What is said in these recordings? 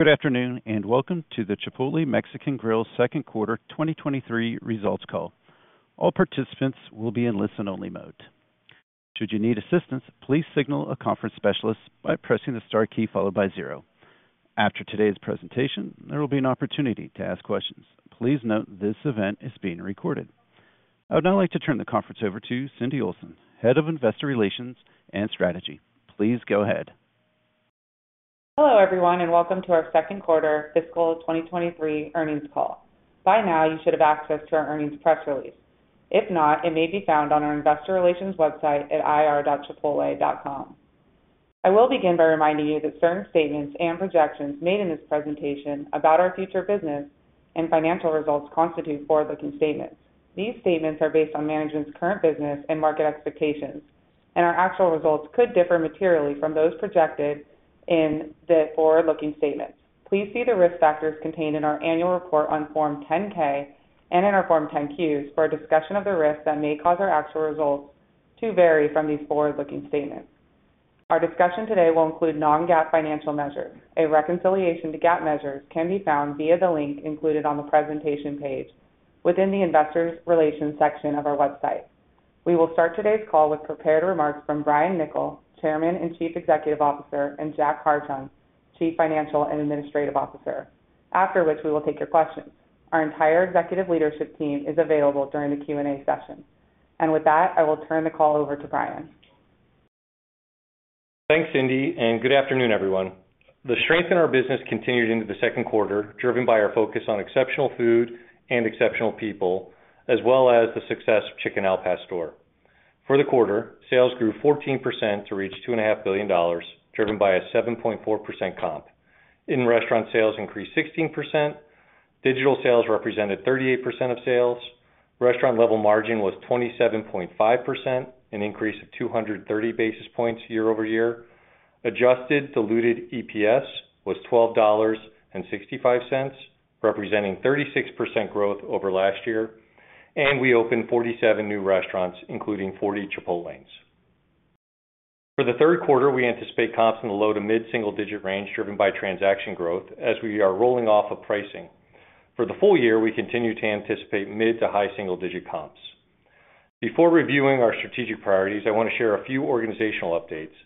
Good afternoon, welcome to the Chipotle Mexican Grill Second Quarter 2023 results call. All participants will be in listen-only mode. Should you need assistance, please signal a conference specialist by pressing the star key followed by 0. After today's presentation, there will be an opportunity to ask questions. Please note, this event is being recorded. I would now like to turn the conference over to Cindy Olsen, Head of Investor Relations and Strategy. Please go ahead. Hello, everyone, welcome to our 2nd quarter fiscal 2023 earnings call. By now, you should have access to our earnings press release. If not, it may be found on our investor relations website at ir.chipotle.com. I will begin by reminding you that certain statements and projections made in this presentation about our future business and financial results constitute forward-looking statements. These statements are based on management's current business and market expectations, and our actual results could differ materially from those projected in the forward-looking statements. Please see the risk factors contained in our annual report on Form 10-K and in our Form 10-Q for a discussion of the risks that may cause our actual results to vary from these forward-looking statements. Our discussion today will include non-GAAP financial measures. A reconciliation to GAAP measures can be found via the link included on the presentation page within the Investor Relations section of our website. We will start today's call with prepared remarks from Brian Niccol, Chairman and Chief Executive Officer, and Jack Hartung, Chief Financial and Administrative Officer, after which we will take your questions. Our entire executive leadership team is available during the Q&A session. With that, I will turn the call over to Brian. Thanks, Cindy. Good afternoon, everyone. The strength in our business continued into the second quarter, driven by our focus on exceptional food and exceptional people, as well as the success of Chicken Al Pastor. For the quarter, sales grew 14% to reach two and a half billion dollars, driven by a 7.4% comp. In-restaurant sales increased 16%. Digital sales represented 38% of sales. Restaurant level margin was 27.5%, an increase of 230 basis points year-over-year. Adjusted diluted EPS was $12.65, representing 36% growth over last year, and we opened 47 new restaurants, including 40 Chipotlanes. For the third quarter, we anticipate comps in the low to mid-single digit range, driven by transaction growth as we are rolling off of pricing. For the full year, we continue to anticipate mid to high single-digit comps. Before reviewing our strategic priorities, I want to share a few organizational updates.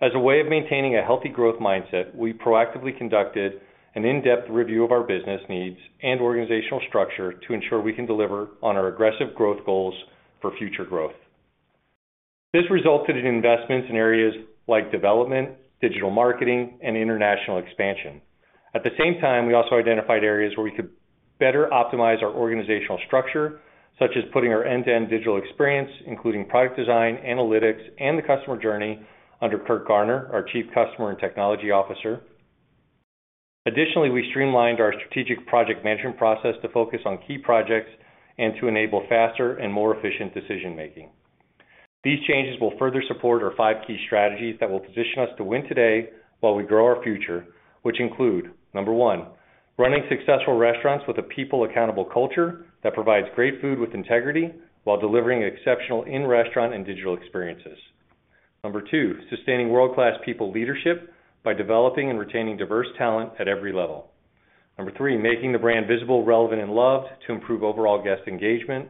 As a way of maintaining a healthy growth mindset, we proactively conducted an in-depth review of our business needs and organizational structure to ensure we can deliver on our aggressive growth goals for future growth. This resulted in investments in areas like development, digital marketing, and international expansion. At the same time, we also identified areas where we could better optimize our organizational structure, such as putting our end-to-end digital experience, including product design, analytics, and the customer journey under Curt Garner, our Chief Customer and Technology Officer. We streamlined our strategic project management process to focus on key projects and to enable faster and more efficient decision-making. These changes will further support our 5 key strategies that will position us to win today while we grow our future, which include, 1, running successful restaurants with a people accountable culture that provides great Food with Integrity while delivering exceptional in-restaurant and digital experiences. 2, sustaining world-class people leadership by developing and retaining diverse talent at every level. 3, making the brand visible, relevant, and loved to improve overall guest engagement.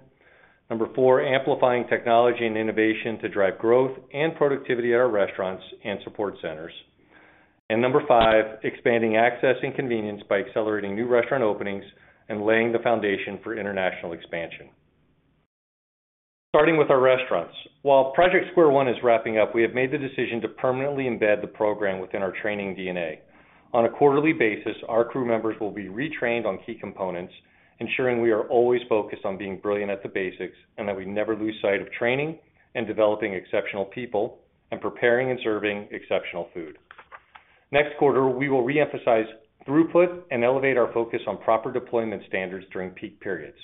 4, amplifying technology and innovation to drive growth and productivity at our restaurants and support centers. 5, expanding access and convenience by accelerating new restaurant openings and laying the foundation for international expansion. Starting with our restaurants. While Project Square One is wrapping up, we have made the decision to permanently embed the program within our training DNA. On a quarterly basis, our crew members will be retrained on key components, ensuring we are always focused on being brilliant at the basics and that we never lose sight of training and developing exceptional people and preparing and serving exceptional food. Next quarter, we will reemphasize throughput and elevate our focus on proper deployment standards during peak periods,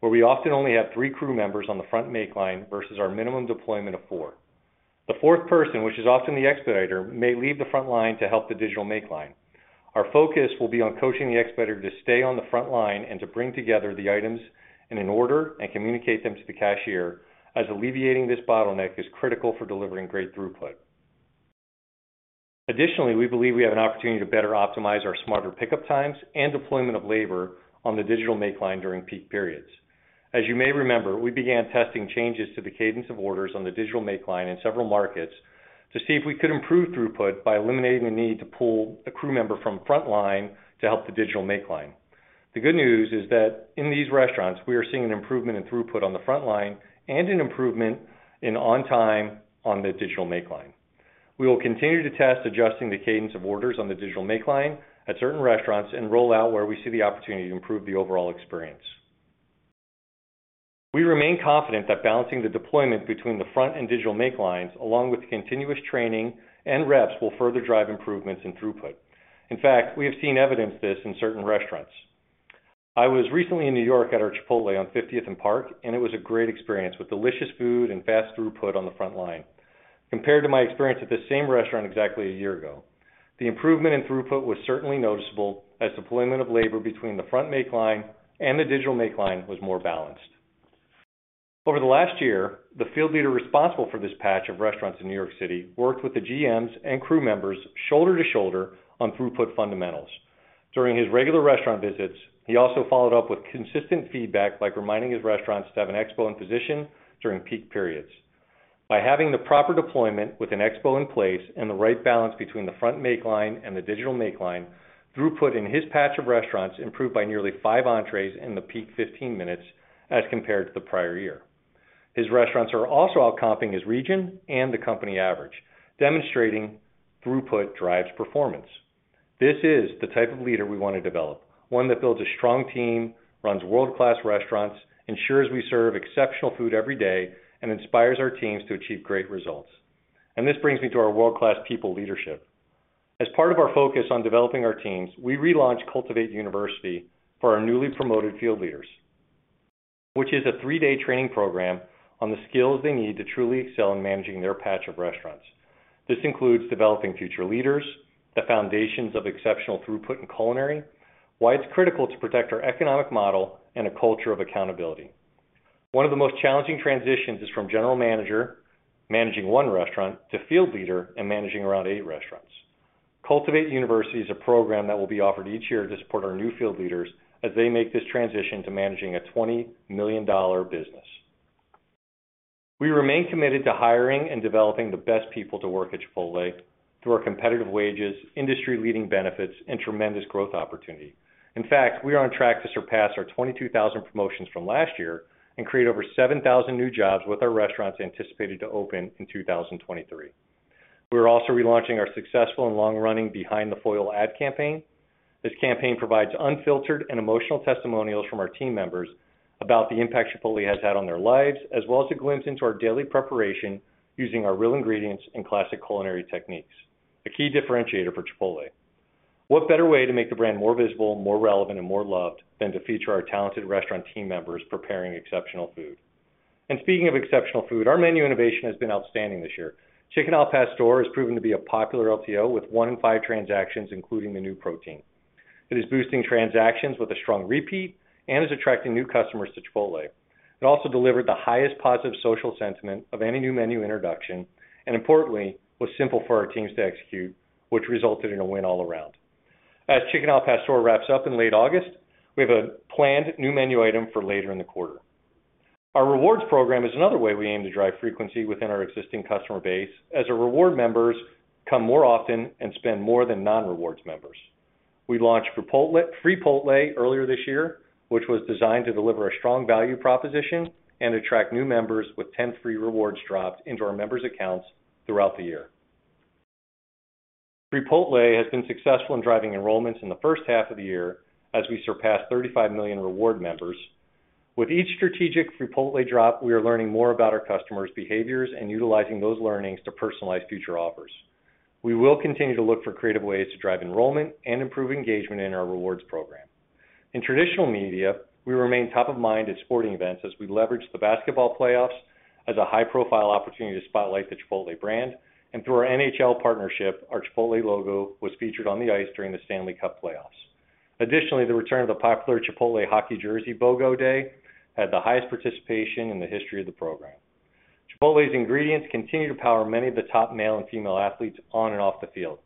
where we often only have 3 crew members on the front make line versus our minimum deployment of 4. The fourth person, which is often the expeditor, may leave the front line to help the digital make line. Our focus will be on coaching the expeditor to stay on the front line and to bring together the items in an order and communicate them to the cashier, as alleviating this bottleneck is critical for delivering great throughput. Additionally, we believe we have an opportunity to better optimize our smarter pickup times and deployment of labor on the digital makeline during peak periods. As you may remember, we began testing changes to the cadence of orders on the digital makeline in several markets to see if we could improve throughput by eliminating the need to pull a crew member from frontline to help the digital makeline. The good news is that in these restaurants, we are seeing an improvement in throughput on the frontline and an improvement in on time on the digital makeline. We will continue to test adjusting the cadence of orders on the digital makeline at certain restaurants and roll out where we see the opportunity to improve the overall experience. We remain confident that balancing the deployment between the front and digital makelines, along with continuous training and reps, will further drive improvements in throughput. In fact, we have seen evidence of this in certain restaurants. I was recently in New York at our Chipotle on 50th and Park, and it was a great experience with delicious food and fast throughput on the front line. Compared to my experience at this same restaurant exactly a year ago, the improvement in throughput was certainly noticeable as deployment of labor between the front makeline and the digital makeline was more balanced. Over the last year, the field leader responsible for this patch of restaurants in New York City worked with the GMs and crew members shoulder to shoulder on throughput fundamentals. During his regular restaurant visits, he also followed up with consistent feedback, like reminding his restaurants to have an expo in position during peak periods. By having the proper deployment with an expo in place and the right balance between the front make line and the digital makeline, throughput in his patch of restaurants improved by nearly five entrees in the peak 15 minutes as compared to the prior year. His restaurants are also outcomping his region and the company average, demonstrating throughput drives performance. This is the type of leader we want to develop. One that builds a strong team, runs world-class restaurants, ensures we serve exceptional food every day, and inspires our teams to achieve great results. This brings me to our world-class people leadership. As part of our focus on developing our teams, we relaunched Cultivate U for our newly promoted field leaders, which is a 3-day training program on the skills they need to truly excel in managing their patch of restaurants. This includes developing future leaders, the foundations of exceptional throughput and culinary, why it's critical to protect our economic model, and a culture of accountability. One of the most challenging transitions is from general manager, managing 1 restaurant, to field leader and managing around 8 restaurants. Cultivate U is a program that will be offered each year to support our new field leaders as they make this transition to managing a $20 million business. We remain committed to hiring and developing the best people to work at Chipotle through our competitive wages, industry-leading benefits, and tremendous growth opportunity. In fact, we are on track to surpass our 22,000 promotions from last year and create over 7,000 new jobs, with our restaurants anticipated to open in 2023. We're also relaunching our successful and long-running Behind the Foil ad campaign. This campaign provides unfiltered and emotional testimonials from our team members about the impact Chipotle has had on their lives, as well as a glimpse into our daily preparation using our real ingredients and classic culinary techniques, a key differentiator for Chipotle. What better way to make the brand more visible, more relevant, and more loved than to feature our talented restaurant team members preparing exceptional food? Speaking of exceptional food, our menu innovation has been outstanding this year. Chicken Al Pastor has proven to be a popular LTO, with one in five transactions, including the new protein. It is boosting transactions with a strong repeat and is attracting new customers to Chipotle. It also delivered the highest positive social sentiment of any new menu introduction, and importantly, was simple for our teams to execute, which resulted in a win all around. Chicken Al Pastor wraps up in late August, we have a planned new menu item for later in the quarter. Our rewards program is another way we aim to drive frequency within our existing customer base, as our reward members come more often and spend more than non-rewards members. We launched Freepotle earlier this year, which was designed to deliver a strong value proposition and attract new members, with 10 free rewards dropped into our members' accounts throughout the year. Freepotle has been successful in driving enrollments in the first half of the year as we surpassed 35 million reward members. With each strategic Freepotle drop, we are learning more about our customers' behaviors and utilizing those learnings to personalize future offers. We will continue to look for creative ways to drive enrollment and improve engagement in our rewards program. In traditional media, we remain top of mind at sporting events as we leverage the basketball playoffs as a high-profile opportunity to spotlight the Chipotle brand. Through our NHL partnership, our Chipotle logo was featured on the ice during the Stanley Cup playoffs. Additionally, the return of the popular Chipotle hockey jersey BOGO day had the highest participation in the history of the program. Chipotle's ingredients continue to power many of the top male and female athletes on and off the field.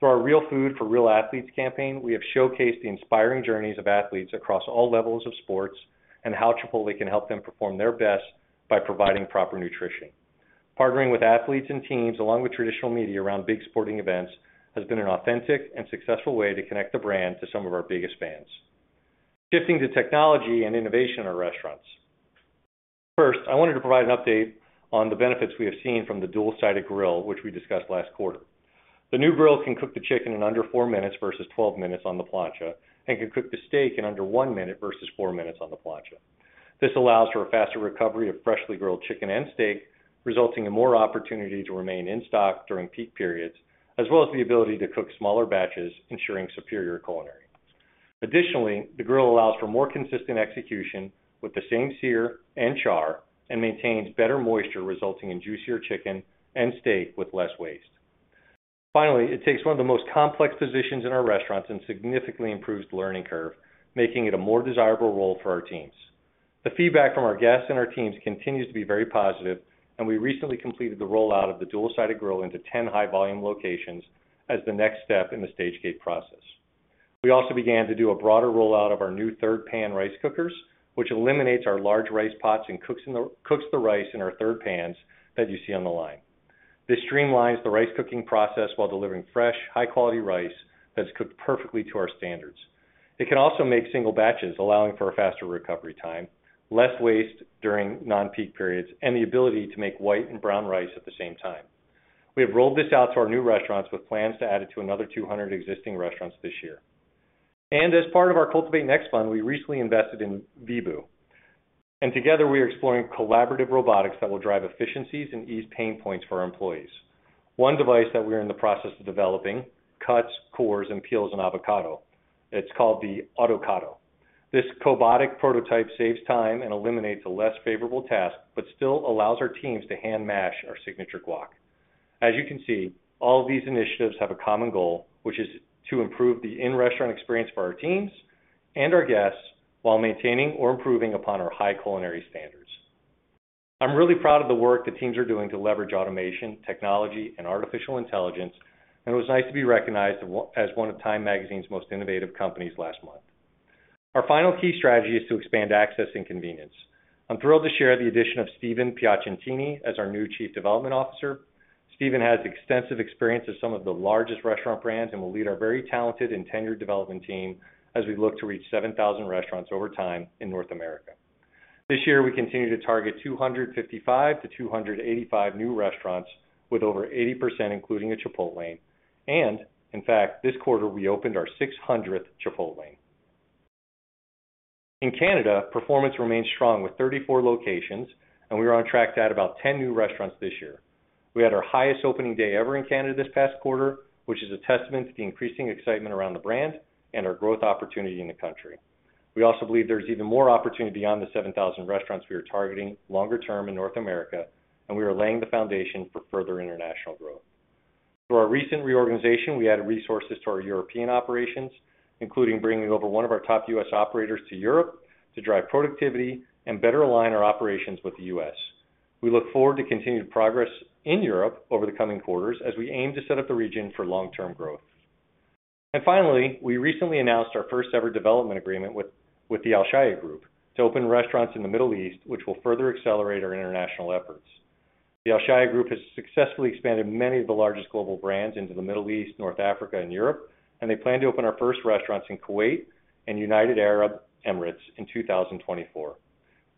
Through our Real Food for Real Athletes campaign, we have showcased the inspiring journeys of athletes across all levels of sports and how Chipotle can help them perform their best by providing proper nutrition. Partnering with athletes and teams, along with traditional media around big sporting events, has been an authentic and successful way to connect the brand to some of our biggest fans. Shifting to technology and innovation in our restaurants. First, I wanted to provide an update on the benefits we have seen from the dual-sided grill, which we discussed last quarter. The new grill can cook the chicken in under four minutes versus 12 minutes on the plancha, and can cook the steak in under one minute versus four minutes on the plancha. This allows for a faster recovery of freshly grilled chicken and steak, resulting in more opportunity to remain in stock during peak periods, as well as the ability to cook smaller batches, ensuring superior culinary. Additionally, the grill allows for more consistent execution with the same sear and char, and maintains better moisture, resulting in juicier chicken and steak with less waste. Finally, it takes one of the most complex positions in our restaurants and significantly improves the learning curve, making it a more desirable role for our teams. The feedback from our guests and our teams continues to be very positive, and we recently completed the rollout of the dual-sided grill into 10 high-volume locations as the next step in the stage gate process. We also began to do a broader rollout of our new three-pan rice cookers, which eliminates our large rice pots and cooks the rice in our three-pans that you see on the line. This streamlines the rice cooking process while delivering fresh, high-quality rice that's cooked perfectly to our standards. It can also make single batches, allowing for a faster recovery time, less waste during non-peak periods, and the ability to make white and brown rice at the same time. We have rolled this out to our new restaurants, with plans to add it to another 200 existing restaurants this year. As part of our Cultivate Next fund, we recently invested in Vebu, and together, we are exploring collaborative robotics that will drive efficiencies and ease pain points for our employees. One device that we are in the process of developing cuts, cores, and peels an avocado. It's called the Autocado. This cobotic prototype saves time and eliminates a less favorable task, but still allows our teams to hand-mash our signature guac. As you can see, all of these initiatives have a common goal, which is to improve the in-restaurant experience for our teams and our guests, while maintaining or improving upon our high culinary standards. I'm really proud of the work the teams are doing to leverage automation, technology, and artificial intelligence. It was nice to be recognized as one of Time Magazine's most innovative companies last month. Our final key strategy is to expand access and convenience. I'm thrilled to share the addition of Stephen Piacentini as our new Chief Development Officer. Stephen has extensive experience with some of the largest restaurant brands and will lead our very talented and tenured development team as we look to reach 7,000 restaurants over time in North America. This year, we continue to target 255-285 new restaurants with over 80%, including a Chipotlane. In fact, this quarter, we opened our 600th Chipotlane. In Canada, performance remains strong with 34 locations, and we are on track to add about 10 new restaurants this year. We had our highest opening day ever in Canada this past quarter, which is a testament to the increasing excitement around the brand and our growth opportunity in the country. We also believe there's even more opportunity beyond the 7,000 restaurants we are targeting longer term in North America. We are laying the foundation for further international growth. Through our recent reorganization, we added resources to our European operations, including bringing over one of our top U.S. operators to Europe to drive productivity and better align our operations with the U.S. We look forward to continued progress in Europe over the coming quarters as we aim to set up the region for long-term growth. Finally, we recently announced our first-ever development agreement with the Alshaya Group to open restaurants in the Middle East, which will further accelerate our international efforts. The Alshaya Group has successfully expanded many of the largest global brands into the Middle East, North Africa, and Europe. They plan to open our first restaurants in Kuwait and United Arab Emirates in 2024.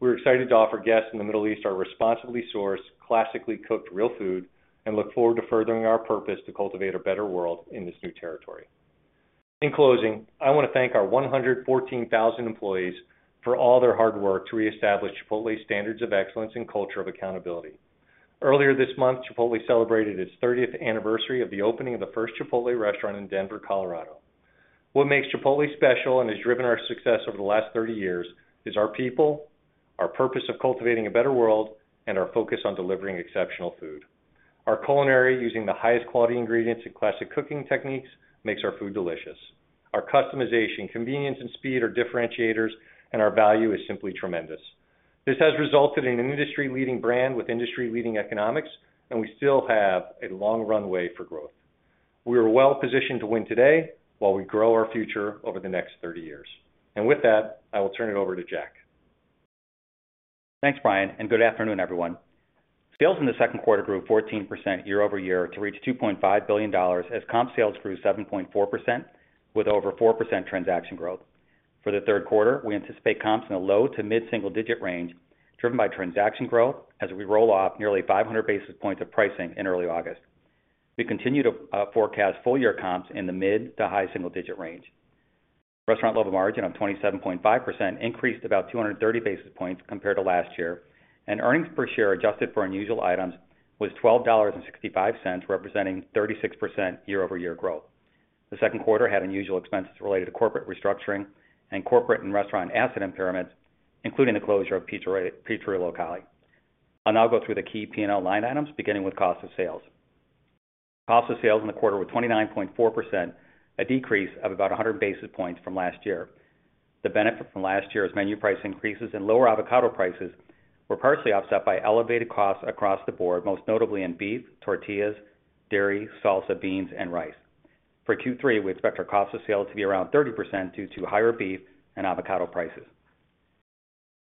We're excited to offer guests in the Middle East our responsibly sourced, classically cooked, real food, and look forward to furthering our purpose to cultivate a better world in this new territory. In closing, I want to thank our 114,000 employees for all their hard work to reestablish Chipotle's standards of excellence and culture of accountability. Earlier this month, Chipotle celebrated its thirtieth anniversary of the opening of the first Chipotle restaurant in Denver, Colorado. What makes Chipotle special and has driven our success over the last 30 years is our people, our purpose of cultivating a better world, and our focus on delivering exceptional food. Our culinary, using the highest quality ingredients and classic cooking techniques, makes our food delicious. Our customization, convenience, and speed are differentiators, and our value is simply tremendous. This has resulted in an industry-leading brand with industry-leading economics, and we still have a long runway for growth. We are well positioned to win today while we grow our future over the next 30 years. With that, I will turn it over to Jack. Thanks, Brian, and good afternoon, everyone. Sales in the 2nd quarter grew 14% year-over-year to reach $2.5 billion, as comp sales grew 7.4% with over 4% transaction growth. For the 3rd quarter, we anticipate comps in a low to mid-single-digit range, driven by transaction growth as we roll off nearly 500 basis points of pricing in early August. We continue to forecast full-year comps in the mid to high single-digit range. Restaurant level margin of 27.5% increased about 230 basis points compared to last year, and earnings per share, adjusted for unusual items, was $12.65, representing 36% year-over-year growth. The 2nd quarter had unusual expenses related to corporate restructuring and corporate and restaurant asset impairments, including the closure of Pizzeria Locale. I'll now go through the key P&L line items, beginning with cost of sales. Cost of sales in the quarter were 29.4%, a decrease of about 100 basis points from last year. The benefit from last year's menu price increases and lower avocado prices were partially offset by elevated costs across the board, most notably in beef, tortillas, dairy, salsa, beans, and rice. For Q3, we expect our cost of sales to be around 30% due to higher beef and avocado prices.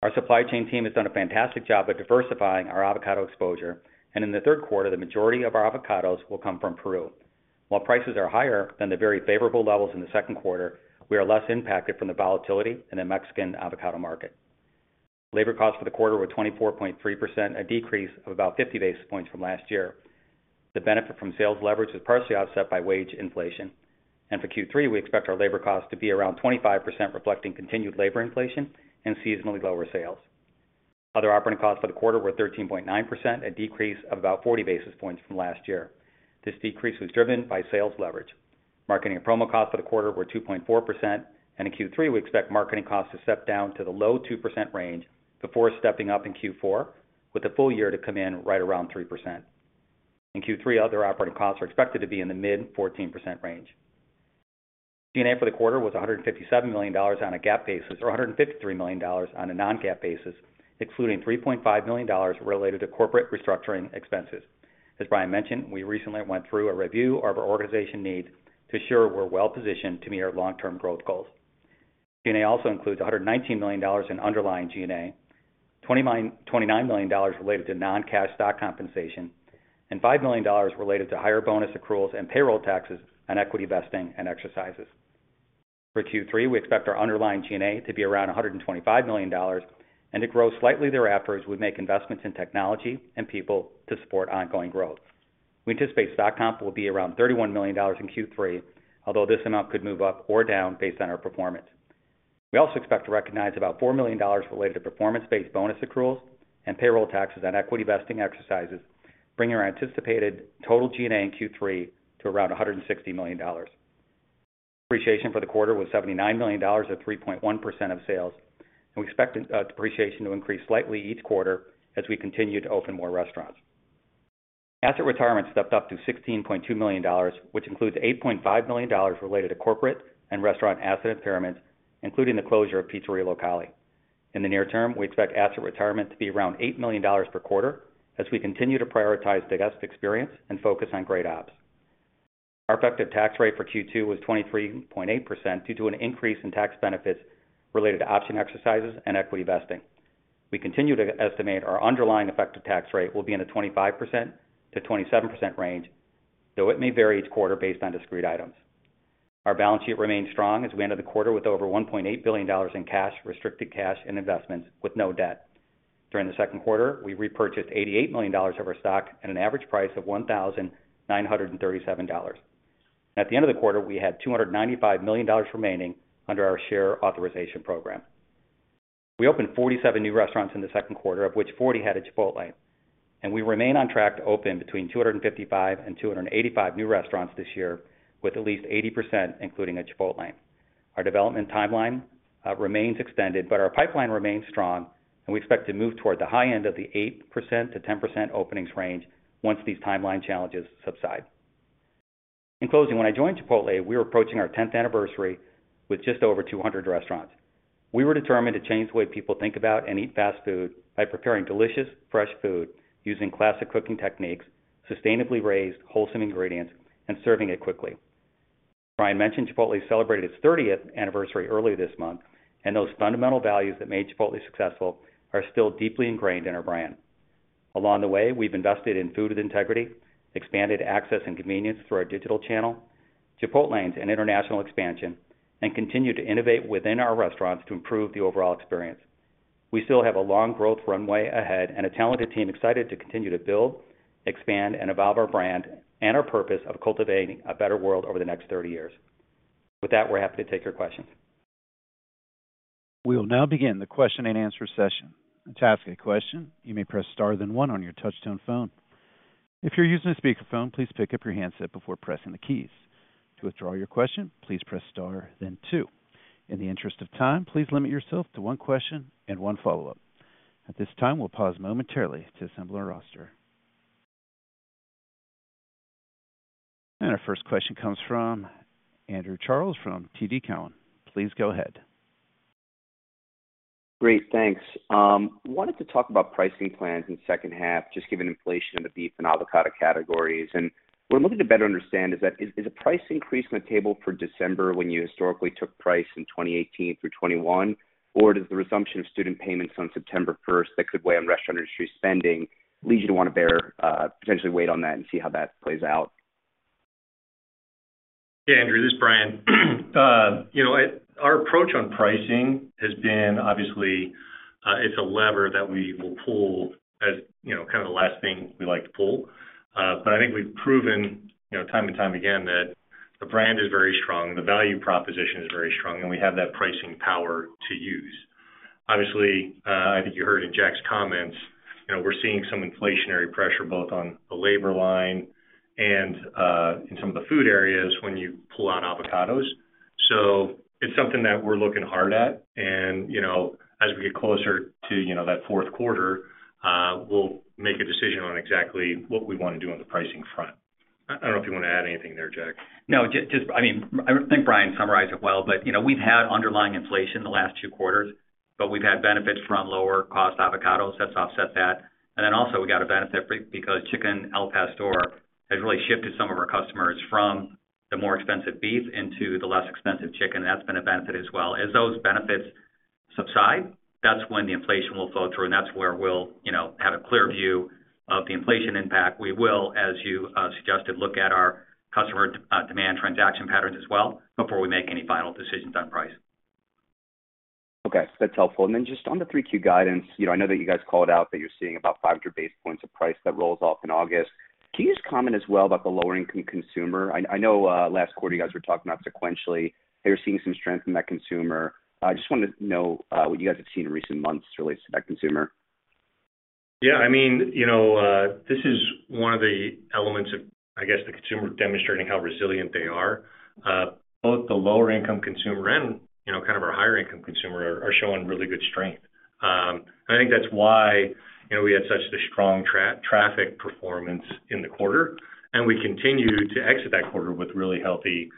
Our supply chain team has done a fantastic job at diversifying our avocado exposure, and in the third quarter, the majority of our avocados will come from Peru. While prices are higher than the very favorable levels in the second quarter, we are less impacted from the volatility in the Mexican avocado market. Labor costs for the quarter were 24.3%, a decrease of about 50 basis points from last year. The benefit from sales leverage was partially offset by wage inflation. For Q3, we expect our labor costs to be around 25%, reflecting continued labor inflation and seasonally lower sales. Other operating costs for the quarter were 13.9%, a decrease of about 40 basis points from last year. This decrease was driven by sales leverage. Marketing and promo costs for the quarter were 2.4%. In Q3, we expect marketing costs to step down to the low 2% range before stepping up in Q4, with the full year to come in right around 3%. In Q3, other operating costs are expected to be in the mid-14% range. G&A for the quarter was $157 million on a GAAP basis, or $153 million on a non-GAAP basis, excluding $3.5 million related to corporate restructuring expenses. As Brian mentioned, we recently went through a review of our organization needs to ensure we're well positioned to meet our long-term growth goals. G&A also includes $119 million in underlying G&A, $29 million related to non-cash stock compensation, and $5 million related to higher bonus accruals and payroll taxes on equity vesting and exercises. For Q3, we expect our underlying G&A to be around $125 million and to grow slightly thereafter as we make investments in technology and people to support ongoing growth. We anticipate stock comp will be around $31 million in Q3, although this amount could move up or down based on our performance. We also expect to recognize about $4 million related to performance-based bonus accruals and payroll taxes on equity vesting exercises, bringing our anticipated total G&A in Q3 to around $160 million. Depreciation for the quarter was $79 million, or 3.1% of sales. We expect depreciation to increase slightly each quarter as we continue to open more restaurants. Asset retirement stepped up to $16.2 million, which includes $8.5 million related to corporate and restaurant asset impairments, including the closure of Pizzeria Locale. In the near term, we expect asset retirement to be around $8 million per quarter as we continue to prioritize the guest experience and focus on great ops. Our effective tax rate for Q2 was 23.8% due to an increase in tax benefits related to option exercises and equity vesting. We continue to estimate our underlying effective tax rate will be in the 25%-27% range, though it may vary each quarter based on discrete items. Our balance sheet remains strong as we ended the quarter with over $1.8 billion in cash, restricted cash and investments with no debt. During the second quarter, we repurchased $88 million of our stock at an average price of $1,937. At the end of the quarter, we had $295 million remaining under our share authorization program. We opened 47 new restaurants in the second quarter, of which 40 had a Chipotlane. We remain on track to open between 255 and 285 new restaurants this year, with at least 80%, including a Chipotlane. Our development timeline remains extended, but our pipeline remains strong, and we expect to move toward the high end of the 8%-10% openings range once these timeline challenges subside. In closing, when I joined Chipotle, we were approaching our 10th anniversary with just over 200 restaurants. We were determined to change the way people think about and eat fast food by preparing delicious, fresh food using classic cooking techniques, sustainably raised wholesome ingredients, and serving it quickly. Brian mentioned Chipotle celebrated its 30th anniversary earlier this month. Those fundamental values that made Chipotle successful are still deeply ingrained in our brand. Along the way, we've invested in Food with Integrity, expanded access and convenience through our digital channel, Chipotlanes and international expansion. Continue to innovate within our restaurants to improve the overall experience. We still have a long growth runway ahead. A talented team excited to continue to build, expand, and evolve our brand and our purpose of cultivating a better world over the next 30 years. With that, we're happy to take your questions. We will now begin the question and answer session. To ask a question, you may press star, then one on your touch-tone phone. If you're using a speakerphone, please pick up your handset before pressing the keys. To withdraw your question, please press star then two. In the interest of time, please limit yourself to one question and one follow-up. At this time, we'll pause momentarily to assemble our roster. Our first question comes from Andrew Charles from TD Cowen. Please go ahead. Great, thanks. Wanted to talk about pricing plans in the second half, just given inflation in the beef and avocado categories. What I'm looking to better understand is a price increase on the table for December when you historically took price in 2018 through 2021, or does the resumption of student payments on September 1st that could weigh on restaurant industry spending, lead you to want to bear, potentially wait on that and see how that plays out? Hey, Andrew, this is Brian. You know, our approach on pricing has been obviously, it's a lever that we will pull as, you know, kind of the last thing we like to pull. But I think we've proven, you know, time and time again, that the brand is very strong, the value proposition is very strong, and we have that pricing power to use. Obviously, I think you heard in Jack's comments, you know, we're seeing some inflationary pressure, both on the labor line and in some of the food areas when you pull on avocados. It's something that we're looking hard at. You know, as we get closer to, you know, that fourth quarter, we'll make a decision on exactly what we want to do on the pricing front. I don't know if you want to add anything there, Jack. I mean, I think Brian summarized it well, but, you know, we've had underlying inflation in the last two quarters, but we've had benefits from lower cost avocados. That's offset that. Also, we got a benefit because Chicken Al Pastor has really shifted some of our customers from the more expensive beef into the less expensive chicken, and that's been a benefit as well. As those benefits subside, that's when the inflation will flow through, and that's where we'll, you know, have a clear view of the inflation impact. We will, as you suggested, look at our customer demand transaction patterns as well before we make any final decisions on price. Okay, that's helpful. Just on the 3Q guidance, you know, I know that you guys called out that you're seeing about 500 basis points of price that rolls off in August. Can you just comment as well about the lower-income consumer? I know, last quarter you guys were talking about sequentially, how you're seeing some strength in that consumer. I just wanted to know, what you guys have seen in recent months relates to that consumer. Yeah, I mean, you know, this is one of the elements of, I guess, the consumer demonstrating how resilient they are. Both the lower-income consumer and, you know, kind of our higher-income consumer are showing really good strength. I think that's why, you know, we had such a strong traffic performance in the quarter, and we continue to exit that quarter with really healthy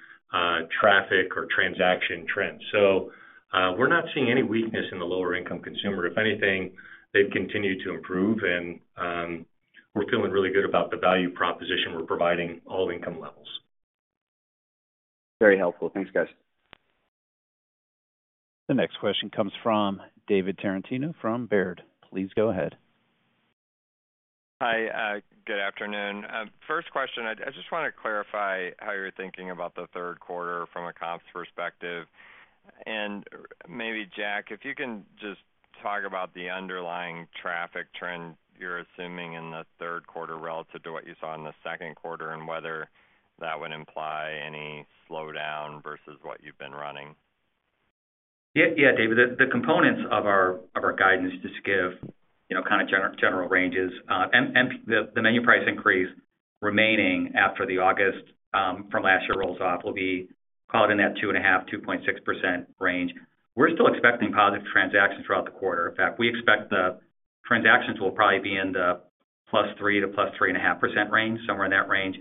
traffic or transaction trends. We're not seeing any weakness in the lower-income consumer. If anything, they've continued to improve and we're feeling really good about the value proposition we're providing all income levels. Very helpful. Thanks, guys. The next question comes from David Tarantino from Baird. Please go ahead. Hi, good afternoon. First question, I just want to clarify how you're thinking about the third quarter from a comps perspective. Maybe Jack, if you can just talk about the underlying traffic trend you're assuming in the third quarter relative to what you saw in the second quarter, and whether that would imply any slowdown versus what you've been running. David, the components of our guidance, just to give, you know, general ranges, the menu price increase remaining after the August from last year rolls off, will be probably in that 2.5-2.6% range. We're still expecting positive transactions throughout the quarter. In fact, we expect the transactions will probably be in the +3% to +3.5% range, somewhere in that range.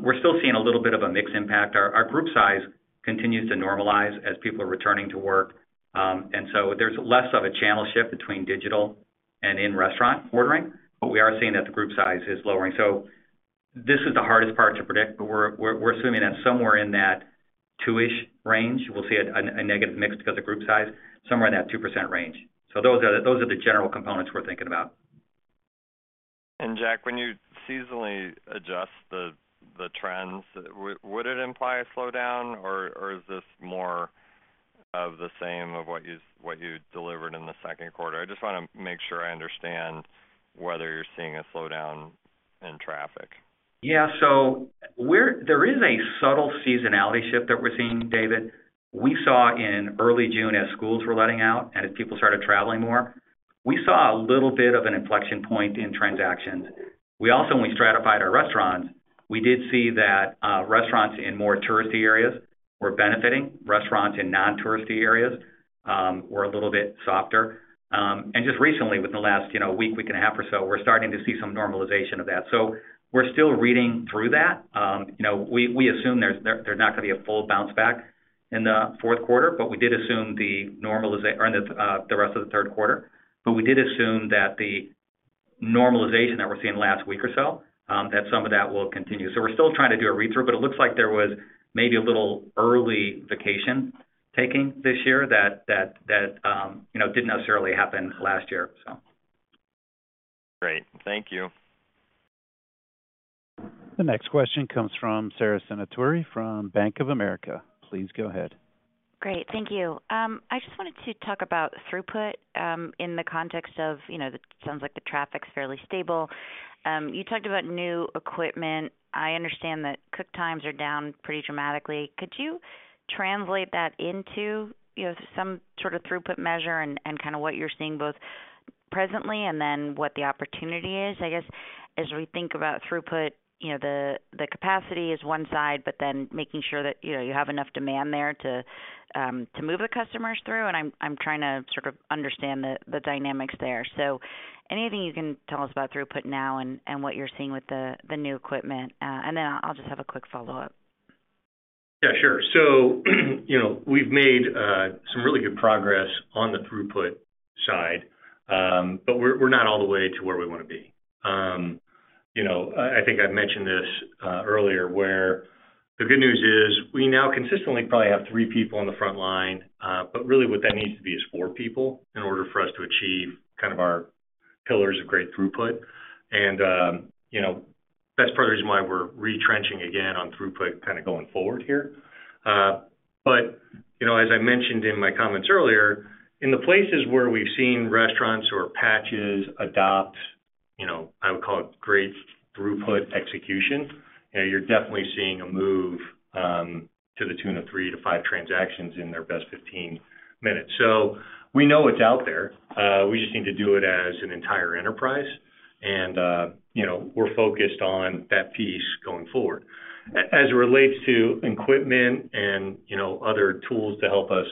We're still seeing a little bit of a mix impact. Our group size continues to normalize as people are returning to work. There's less of a channel shift between digital and in-restaurant ordering, but we are seeing that the group size is lowering. This is the hardest part to predict, but we're assuming that somewhere in that 2-ish range, we'll see a negative mix because of group size, somewhere in that 2% range. Those are the general components we're thinking about. Jack, when you seasonally adjust the trends, would it imply a slowdown, or is this more of the same of what you delivered in the second quarter? I just wanna make sure I understand whether you're seeing a slowdown in traffic. Yeah. There is a subtle seasonality shift that we're seeing, David. We saw in early June, as schools were letting out and as people started traveling more, we saw a little bit of an inflection point in transactions. We also, when we stratified our restaurants, we did see that restaurants in more touristy areas were benefiting. Restaurants in non-touristy areas were a little bit softer. Just recently, within the last, you know, week and a half or so, we're starting to see some normalization of that. We're still reading through that. You know, we assume there's not gonna be a full bounce back in the fourth quarter, but we did assume the normalization or in the rest of the third quarter. We did assume that the normalization that we're seeing last week or so, that some of that will continue. We're still trying to do a read-through, but it looks like there was maybe a little early vacation taking this year that, you know, didn't necessarily happen last year. Great. Thank you. The next question comes from Sara Senatore, from Bank of America. Please go ahead. Great. Thank you. I just wanted to talk about throughput in the context of, you know, it sounds like the traffic's fairly stable. You talked about new equipment. I understand that cook times are down pretty dramatically. Could you translate that into, you know, some sort of throughput measure and kind of what you're seeing both presently and then what the opportunity is? I guess, as we think about throughput, you know, the capacity is one side, but then making sure that, you know, you have enough demand there to move the customers through. I'm trying to sort of understand the dynamics there. Anything you can tell us about throughput now and what you're seeing with the new equipment, and then I'll just have a quick follow-up. Yeah, sure. You know, we've made some really good progress on the throughput side, but we're not all the way to where we want to be. You know, I think I've mentioned this earlier, where the good news is, we now consistently probably have 3 people on the front line, but really what that needs to be is 4 people, in order for us to achieve kind of our pillars of great throughput. You know, that's part of the reason why we're retrenching again on throughput kind of going forward here. You know, as I mentioned in my comments earlier, in the places where we've seen restaurants or patches adopt, you know, I would call it great throughput execution, you're definitely seeing a move, to the tune of 3-5 transactions in their best 15 minutes. We know it's out there, we just need to do it as an entire enterprise. You know, we're focused on that piece going forward. As it relates to equipment and, you know, other tools to help us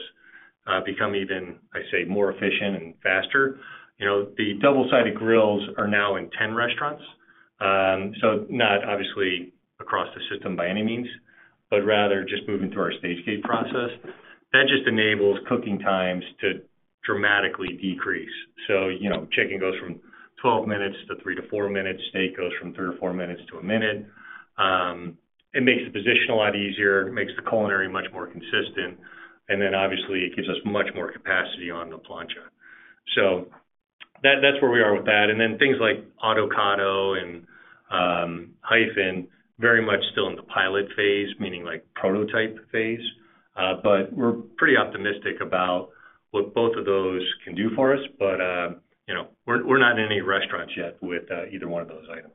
become even, I say, more efficient and faster, you know, the dual-sided grills are now in 10 restaurants. Not obviously across the system by any means, but rather just moving through our stage gate process. That just enables cooking times to dramatically decrease. You know, chicken goes from 12 minutes to 3-4 minutes, steak goes from 3-4 minutes to a minute. It makes the position a lot easier, it makes the culinary much more consistent, and then obviously it gives us much more capacity on the plancha. That, that's where we are with that. Things like Autocado and Hyphen, very much still in the pilot phase, meaning like prototype phase. We're pretty optimistic about what both of those can do for us. You know, we're not in any restaurants yet with either one of those items.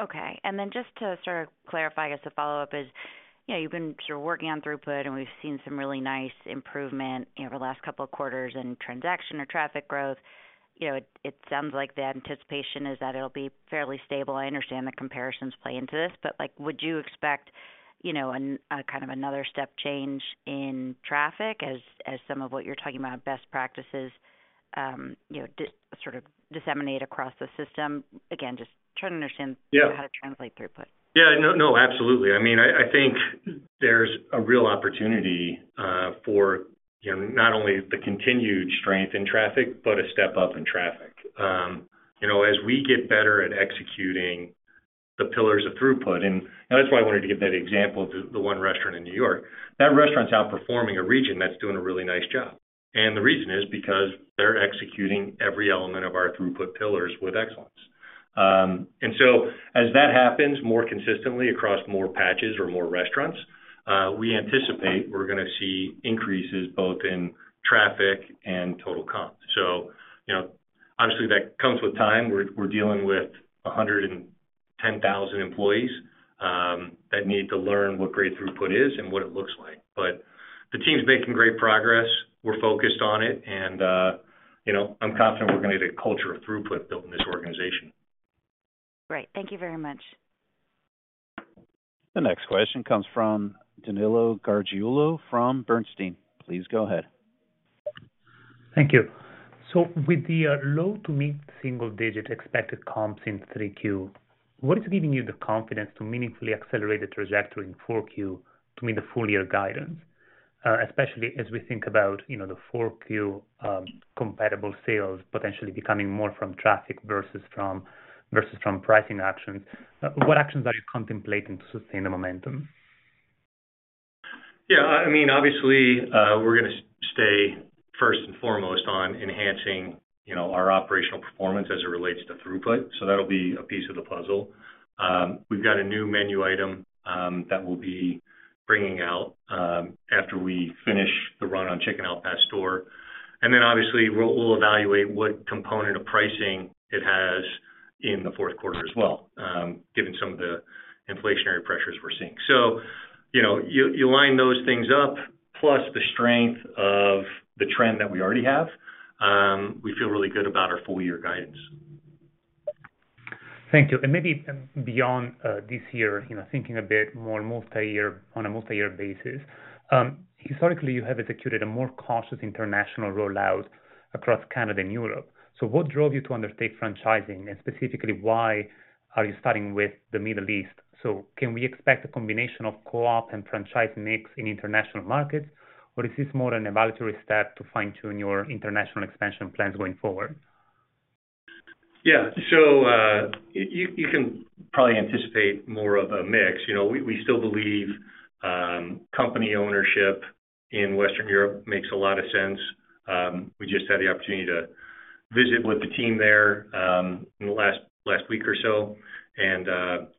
Okay. Just to sort of clarify, I guess the follow-up is, you know, you've been sort of working on throughput, and we've seen some really nice improvement, you know, over the last couple of quarters in transaction or traffic growth. You know, it sounds like the anticipation is that it'll be fairly stable. I understand the comparisons play into this, like, would you expect, you know, a kind of another step change in traffic as some of what you're talking about, best practices, you know, sort of disseminate across the system? Again, just trying to understand. Yeah. how to translate throughput. Yeah, no, absolutely. I mean, I think there's a real opportunity for, you know, not only the continued strength in traffic, but a step up in traffic. You know, as we get better at executing the pillars of throughput, and that's why I wanted to give that example of the one restaurant in New York. That restaurant's outperforming a region that's doing a really nice job. The reason is because they're executing every element of our throughput pillars with excellence. As that happens more consistently across more patches or more restaurants, we anticipate we're gonna see increases both in traffic and total comp. You know, obviously, that comes with time. We're dealing with 10,000 employees that need to learn what great throughput is and what it looks like. The team's making great progress. We're focused on it, and, you know, I'm confident we're going to get a culture of throughput built in this organization. Great. Thank you very much. The next question comes from Danilo Gargiulo from Bernstein. Please go ahead. Thank you. With the low to mid-single digit expected comps in 3 Q, what is giving you the confidence to meaningfully accelerate the trajectory in 4 Q to meet the full year guidance? Especially as we think about, you know, the 4 Q comparable sales potentially becoming more from traffic versus from pricing actions. What actions are you contemplating to sustain the momentum? Yeah, I mean, obviously, we're going to stay first and foremost on enhancing, you know, our operational performance as it relates to throughput, so that'll be a piece of the puzzle. We've got a new menu item that we'll be bringing out after we finish the run on Chicken Al Pastor. Obviously, we'll evaluate what component of pricing it has in the fourth quarter as well, given some of the inflationary pressures we're seeing. You know, you line those things up, plus the strength of the trend that we already have, we feel really good about our full year guidance. Thank you. Maybe beyond, this year, you know, thinking a bit more multi-year, on a multi-year basis. Historically, you have executed a more cautious international rollout across Canada and Europe. What drove you to undertake franchising, and specifically, why are you starting with the Middle East? Can we expect a combination of co-op and franchise mix in international markets, or is this more an evaluatory step to fine-tune your international expansion plans going forward? Yeah. You can probably anticipate more of a mix. You know, we still believe company ownership in Western Europe makes a lot of sense. We just had the opportunity to visit with the team there in the last week or so,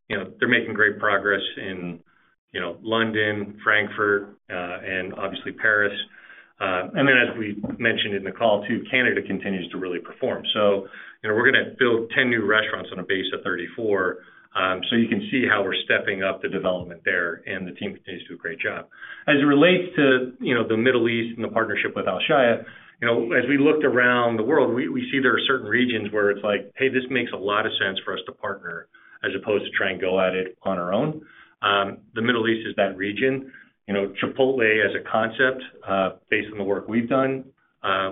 you know, they're making great progress in, you know, London, Frankfurt, and obviously Paris. As we mentioned in the call, too, Canada continues to really perform. You know, we're going to build 10 new restaurants on a base of 34. You can see how we're stepping up the development there, and the team continues to do a great job. As it relates to, you know, the Middle East and the partnership with Alshaya, you know, as we looked around the world, we see there are certain regions where it's like, "Hey, this makes a lot of sense for us to partner, as opposed to try and go at it on our own." The Middle East is that region. You know, Chipotle as a concept, based on the work we've done,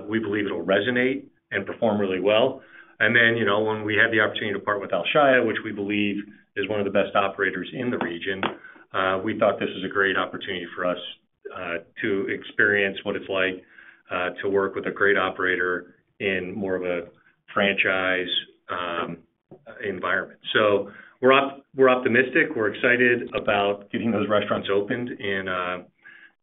we believe it'll resonate and perform really well. You know, when we had the opportunity to partner with Alshaya, which we believe is one of the best operators in the region, we thought this was a great opportunity for us to experience what it's like to work with a great operator in more of a franchise environment. We're optimistic. We're excited about getting those restaurants opened in,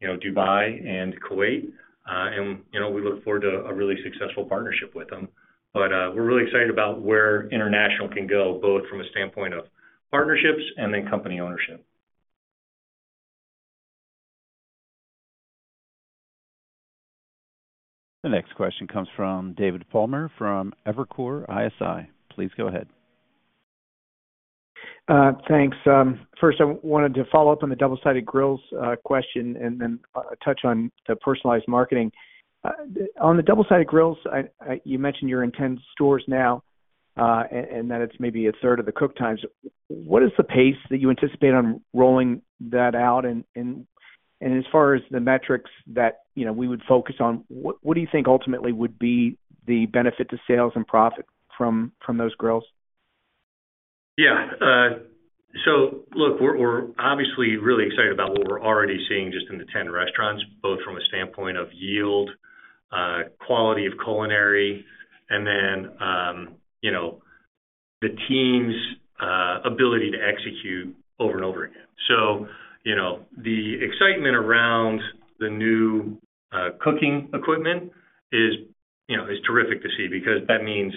you know, Dubai and Kuwait, and, you know, we look forward to a really successful partnership with them. We're really excited about where international can go, both from a standpoint of partnerships and then company ownership. The next question comes from David Palmer, from Evercore ISI. Please go ahead. Thanks. First, I wanted to follow up on the dual-sided grills question and then touch on the personalized marketing. On the dual-sided grills, you mentioned you're in 10 stores now and that it's maybe a third of the cook times. What is the pace that you anticipate on rolling that out? As far as the metrics that, you know, we would focus on, what do you think ultimately would be the benefit to sales and profit from those grills? Look, we're obviously really excited about what we're already seeing just in the 10 restaurants, both from a standpoint of yield, quality of culinary, and then, you know, the team's ability to execute over and over again. You know, the excitement around the new cooking equipment is, you know, terrific to see because that means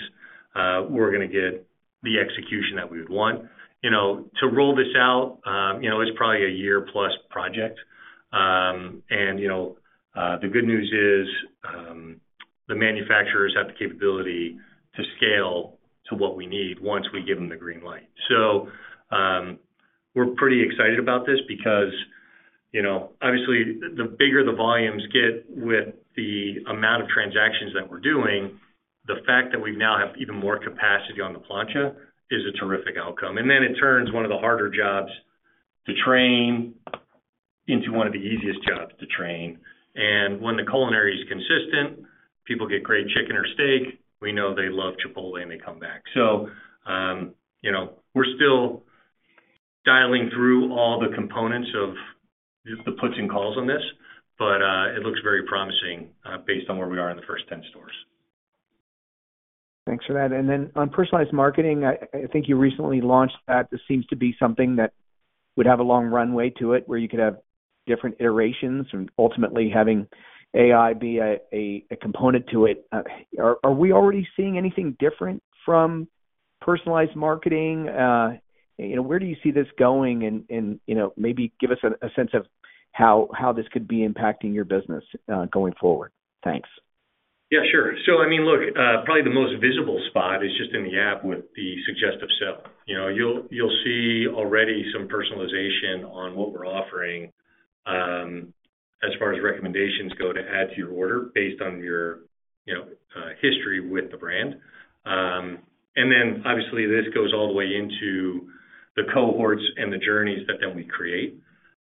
we're going to get the execution that we'd want. You know, to roll this out, you know, is probably a year-plus project. And, you know, the good news is, the manufacturers have the capability to scale to what we need once we give them the green light. We're pretty excited about this because, you know, obviously, the bigger the volumes get with the amount of transactions that we're doing, the fact that we now have even more capacity on the plancha is a terrific outcome. It turns one of the harder jobs to train into one of the easiest jobs to train. When the culinary is consistent, people get great chicken or steak. We know they love Chipotle, and they come back. You know, we're still dialing through all the components of the puts and calls on this, but it looks very promising, based on where we are in the first 10 stores. Thanks for that. Then on personalized marketing, I think you recently launched that. This seems to be something that would have a long runway to it, where you could have different iterations and ultimately having AI be a component to it. Are we already seeing anything different from personalized marketing? You know, where do you see this going? You know, maybe give us a sense of how this could be impacting your business going forward. Thanks. Yeah, sure. I mean, look, probably the most visible spot is just in the app with the suggestive sell. You know, you'll see already some personalization on what we're offering, as far as recommendations go, to add to your order based on your, you know, history with the brand. Then obviously, this goes all the way into the cohorts and the journeys that we create.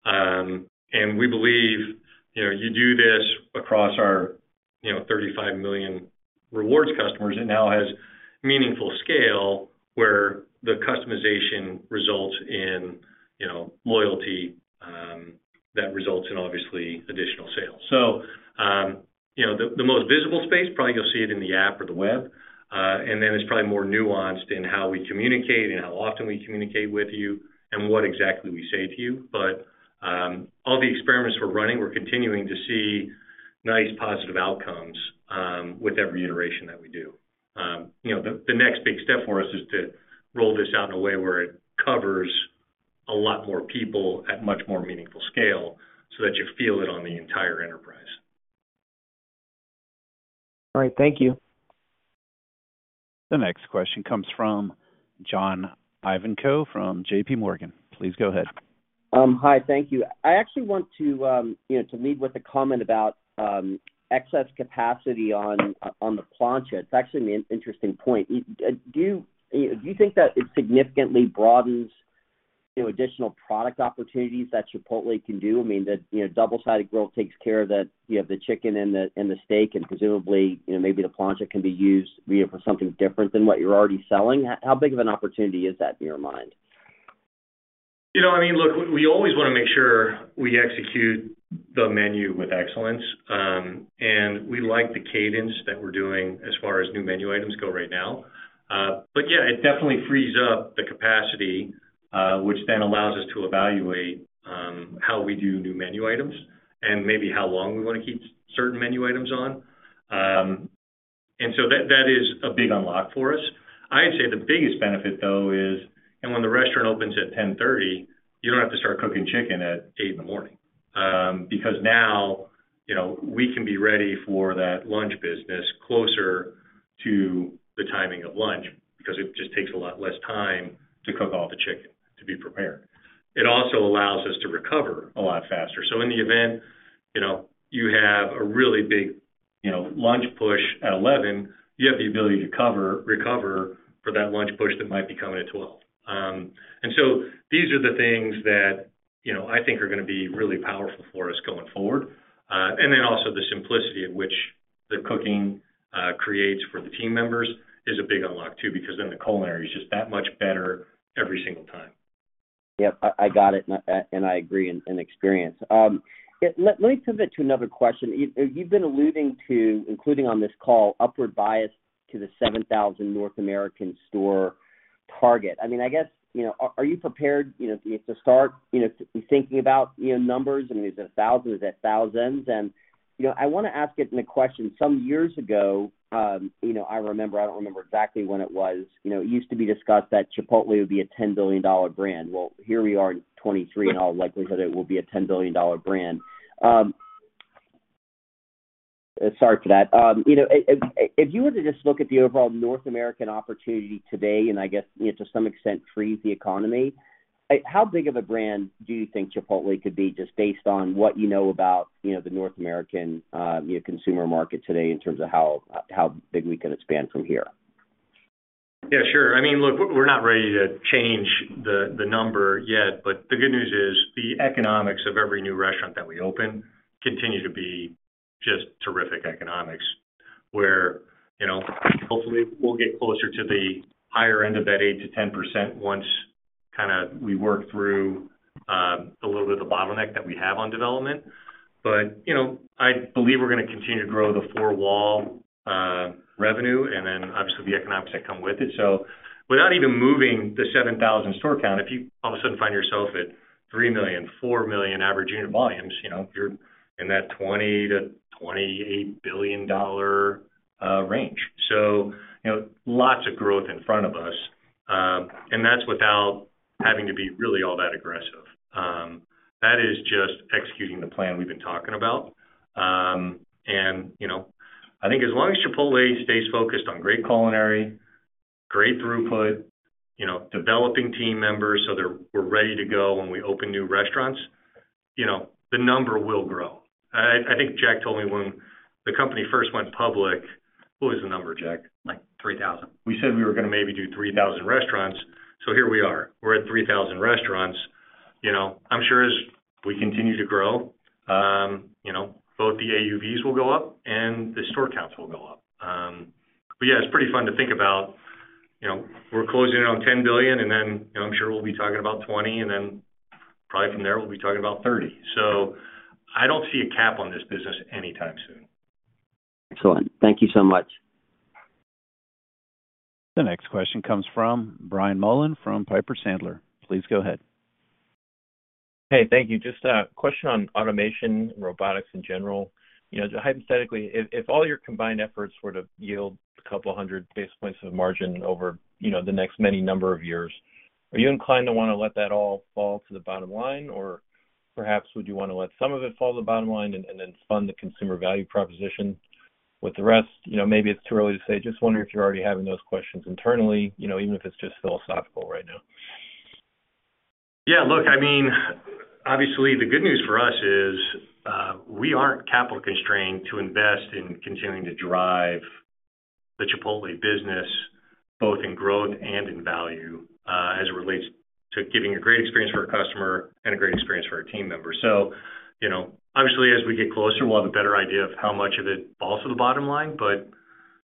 We believe, you know, you do this across our, you know, 35 million rewards customers, it now has meaningful scale, where the customization results in, you know, loyalty, that results in obviously additional sales. you know, the most visible space, probably you'll see it in the app or the web, and then it's probably more nuanced in how we communicate and how often we communicate with you and what exactly we say to you. All the experiments we're running, we're continuing to see nice positive outcomes, with every iteration that we do. you know, the next big step for us is to roll this out in a way where it covers a lot more people at much more meaningful scale so that you feel it on the entire enterprise. All right. Thank you. The next question comes from John Ivankoe from JPMorgan. Please go ahead. Hi, thank you. I actually want to, you know, to lead with a comment about excess capacity on the plancha. It's actually an interesting point. Do you think that it significantly broadens, you know, additional product opportunities that Chipotle can do? I mean, that, you know, double-sided grill takes care of the, you know, the chicken and the, and the steak, and presumably, you know, maybe the plancha can be used, you know, for something different than what you're already selling. How big of an opportunity is that in your mind? You know, I mean, look, we always want to make sure we execute the menu with excellence. We like the cadence that we're doing as far as new menu items go right now. Yeah, it definitely frees up the capacity, which then allows us to evaluate how we do new menu items and maybe how long we want to keep certain menu items on. That is a big unlock for us. I'd say the biggest benefit, though, is when the restaurant opens at 10:30 A.M., you don't have to start cooking chicken at 8:00 A.M. Now, you know, we can be ready for that lunch business closer to the timing of lunch because it just takes a lot less time to cook all the chicken to be prepared. It also allows us to recover a lot faster. In the event, you know, you have a really big, you know, lunch push at 11, you have the ability to recover for that lunch push that might be coming at 12. These are the things that, you know, I think are going to be really powerful for us going forward. Then also the simplicity in which the cooking creates for the team members is a big unlock too, because then the culinary is just that much better every single time. Yep, I got it, and I agree in experience. Let me pivot to another question. You've been alluding to, including on this call, upward bias to the 7,000 North American store target. I mean, I guess, you know, are you prepared, you know, to start, you know, thinking about, you know, numbers? I mean, is it thousands, is that thousands? You know, I want to ask it in a question. Some years ago, you know, I remember, I don't remember exactly when it was, you know, it used to be discussed that Chipotle would be a $10 billion brand. Well, here we are in 2023, and all likelihood it will be a $10 billion brand. Sorry for that. You know, if you were to just look at the overall North American opportunity today, and I guess, you know, to some extent, freeze the economy, how big of a brand do you think Chipotle could be, just based on what you know about, you know, the North American, you know, consumer market today in terms of how big we could expand from here? Yeah, sure. I mean, look, we're not ready to change the number yet, but the good news is the economics of every new restaurant that we open continue to be just terrific economics, where, you know, hopefully we'll get closer to the higher end of that 8% - 10% once kind of we work through a little bit of the bottleneck that we have on development. I believe we're going to continue to grow the four wall revenue and then obviously the economics that come with it. Without even moving the 7,000 store count, if you all of a sudden find yourself at $3 million-$4 million average unit volumes, you know, you're in that $20 billion-$28 billion range. you know, lots of growth in front of us, and that's without having to be really all that aggressive. That is just executing the plan we've been talking about. you know, I think as long as Chipotle stays focused on great culinary, great throughput, you know, developing team members, so we're ready to go when we open new restaurants, you know, the number will grow. I think Jack told me when the company first went public. What was the number, Jack? Like 3,000. We said we were going to maybe do 3,000 restaurants. Here we are. We're at 3,000 restaurants. you know, I'm sure as we continue to grow, you know, both the AUVs will go up and the store counts will go up. but yeah, it's pretty fun to think about. You know, we're closing in on $10 billion, and then, you know, I'm sure we'll be talking about $20 billion, and then probably from there, we'll be talking about $30 billion. I don't see a cap on this business anytime soon. Excellent. Thank you so much. The next question comes from Brian Mullan, from Piper Sandler. Please go ahead. Hey, thank you. Just a question on automation, robotics in general. You know, hypothetically, if all your combined efforts were to yield a couple hundred basis points of margin over, you know, the next many number of years, Are you inclined to want to let that all fall to the bottom line? Or perhaps, would you want to let some of it fall to the bottom line and then fund the consumer value proposition with the rest? You know, maybe it's too early to say. Just wondering if you're already having those questions internally, you know, even if it's just philosophical right now. Look, obviously, the good news for us is, we aren't capital constrained to invest in continuing to drive the Chipotle business, both in growth and in value, as it relates to giving a great experience for our customer and a great experience for our team members. You know, obviously, as we get closer, we'll have a better idea of how much of it falls to the bottom line, but,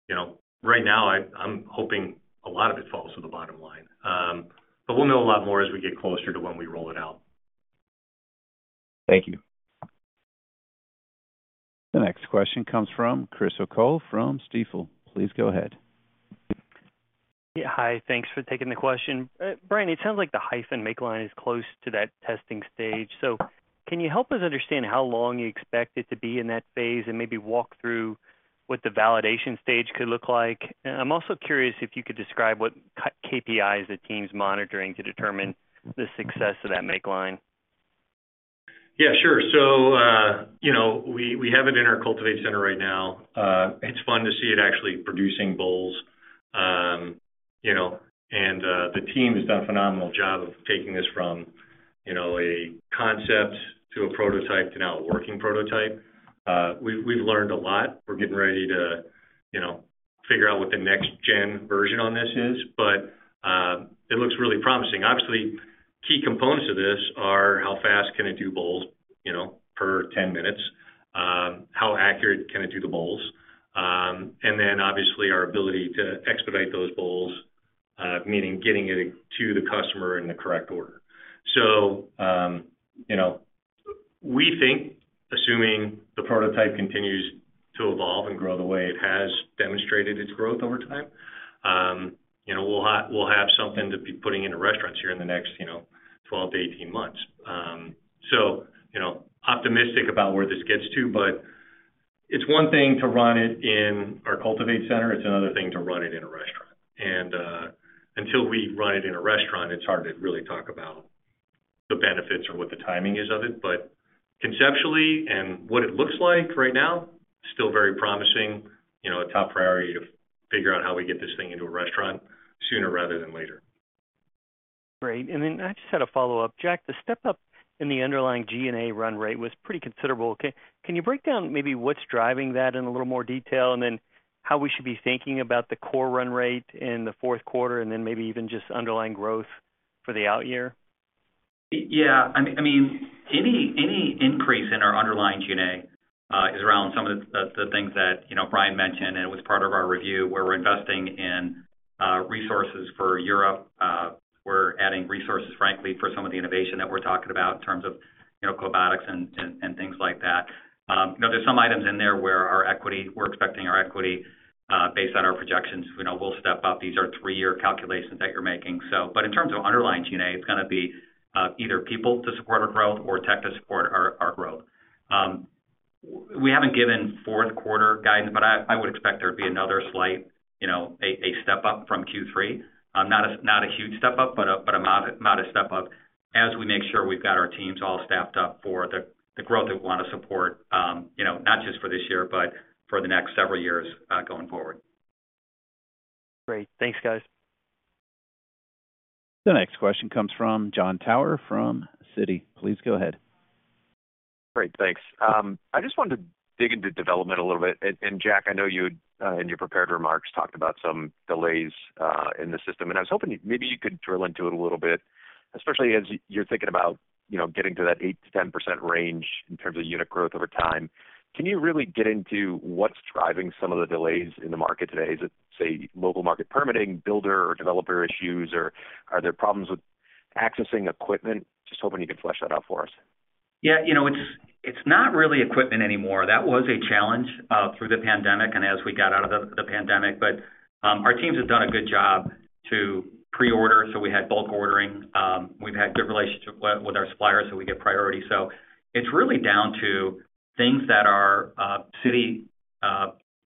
you know, right now, I'm hoping a lot of it falls to the bottom line. We'll know a lot more as we get closer to when we roll it out. Thank you. The next question comes from Chris O'Cull from Stifel. Please go ahead. Yeah. Hi, thanks for taking the question. Brian, it sounds like the Hyphen make line is close to that testing stage. Can you help us understand how long you expect it to be in that phase and maybe walk through what the validation stage could look like? I'm also curious if you could describe what KPIs the team's monitoring to determine the success of that make line? Yeah, sure. You know, we have it in our Cultivate Center right now. It's fun to see it actually producing bowls. You know, the team has done a phenomenal job of taking this from, you know, a concept to a prototype to now a working prototype. We've learned a lot. We're getting ready to, you know, figure out what the next gen version on this is, but, it looks really promising. Obviously, key components of this are how fast can it do bowls, you know, per 10 minutes? How accurate can it do the bowls? Obviously, our ability to expedite those bowls, meaning getting it to the customer in the correct order. You know, we think, assuming the prototype continues to evolve and grow the way it has demonstrated its growth over time, you know, we'll have something to be putting into restaurants here in the next, you know, 12 to 18 months. You know, optimistic about where this gets to, but it's one thing to run it in our Cultivate center. It's another thing to run it in a restaurant. Until we run it in a restaurant, it's hard to really talk about the benefits or what the timing is of it. Conceptually, and what it looks like right now, still very promising, you know, a top priority to figure out how we get this thing into a restaurant sooner rather than later. Great. Then I just had a follow-up. Jack, the step-up in the underlying G&A run rate was pretty considerable. Can you break down maybe what's driving that in a little more detail, then how we should be thinking about the core run rate in the fourth quarter then maybe even just underlying growth for the out year? Yeah. I mean, any increase in our underlying G&A is around some of the things that, you know, Brian mentioned, and it was part of our review, where we're investing in resources for Europe. We're adding resources, frankly, for some of the innovation that we're talking about in terms of, you know, robotics and things like that. You know, there's some items in there where we're expecting our equity, based on our projections, you know, will step up. These are three-year calculations that you're making. But in terms of underlying G&A, it's gonna be either people to support our growth or tech to support our growth. We haven't given fourth quarter guidance, but I would expect there to be another slight, you know, a step up from Q3. Not a huge step up, but a modest step up as we make sure we've got our teams all staffed up for the growth that we want to support, you know, not just for this year, but for the next several years, going forward. Great. Thanks, guys. The next question comes from Jon Tower from Citi. Please go ahead. Great. Thanks. I just wanted to dig into development a little bit. Jack, I know you in your prepared remarks, talked about some delays in the system, and I was hoping maybe you could drill into it a little bit, especially as you're thinking about, you know, getting to that 8%-10% range in terms of unit growth over time. Can you really get into what's driving some of the delays in the market today? Is it, say, local market permitting, builder or developer issues, or are there problems with accessing equipment? Just hoping you could flesh that out for us. You know, it's not really equipment anymore. That was a challenge through the pandemic and as we got out of the pandemic, but our teams have done a good job to pre-order, so we had bulk ordering. We've had good relationships with our suppliers, so we get priority. It's really down to things that are city,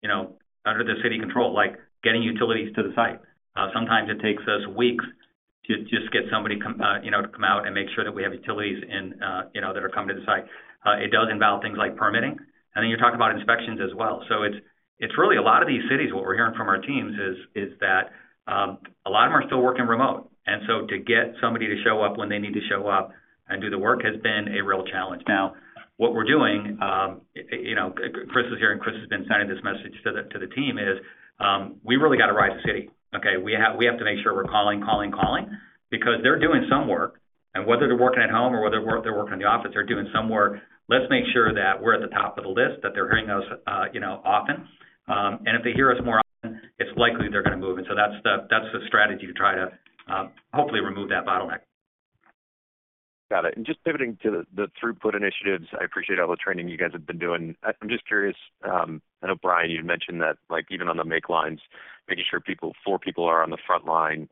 you know, under the city control, like getting utilities to the site. Sometimes it takes us weeks to just get somebody to come out and make sure that we have utilities in that are coming to the site. It does involve things like permitting, and then you're talking about inspections as well. It's really a lot of these cities, what we're hearing from our teams is that a lot of them are still working remote, to get somebody to show up when they need to show up and do the work has been a real challenge. What we're doing, you know, Chris is here, and Chris has been sending this message to the team, we've really got to ride the city. Okay? We have to make sure we're calling, calling, because they're doing some work, and whether they're working at home or whether they're working in the office, they're doing some work. Let's make sure that we're at the top of the list, that they're hearing us, you know, often. If they hear us more often, it's likely they're going to move. That's the strategy to try to, hopefully remove that bottleneck. Got it. Just pivoting to the throughput initiatives, I appreciate all the training you guys have been doing. I'm just curious, I know, Brian, you'd mentioned that, like, even on the make lines, making sure four people are on the front line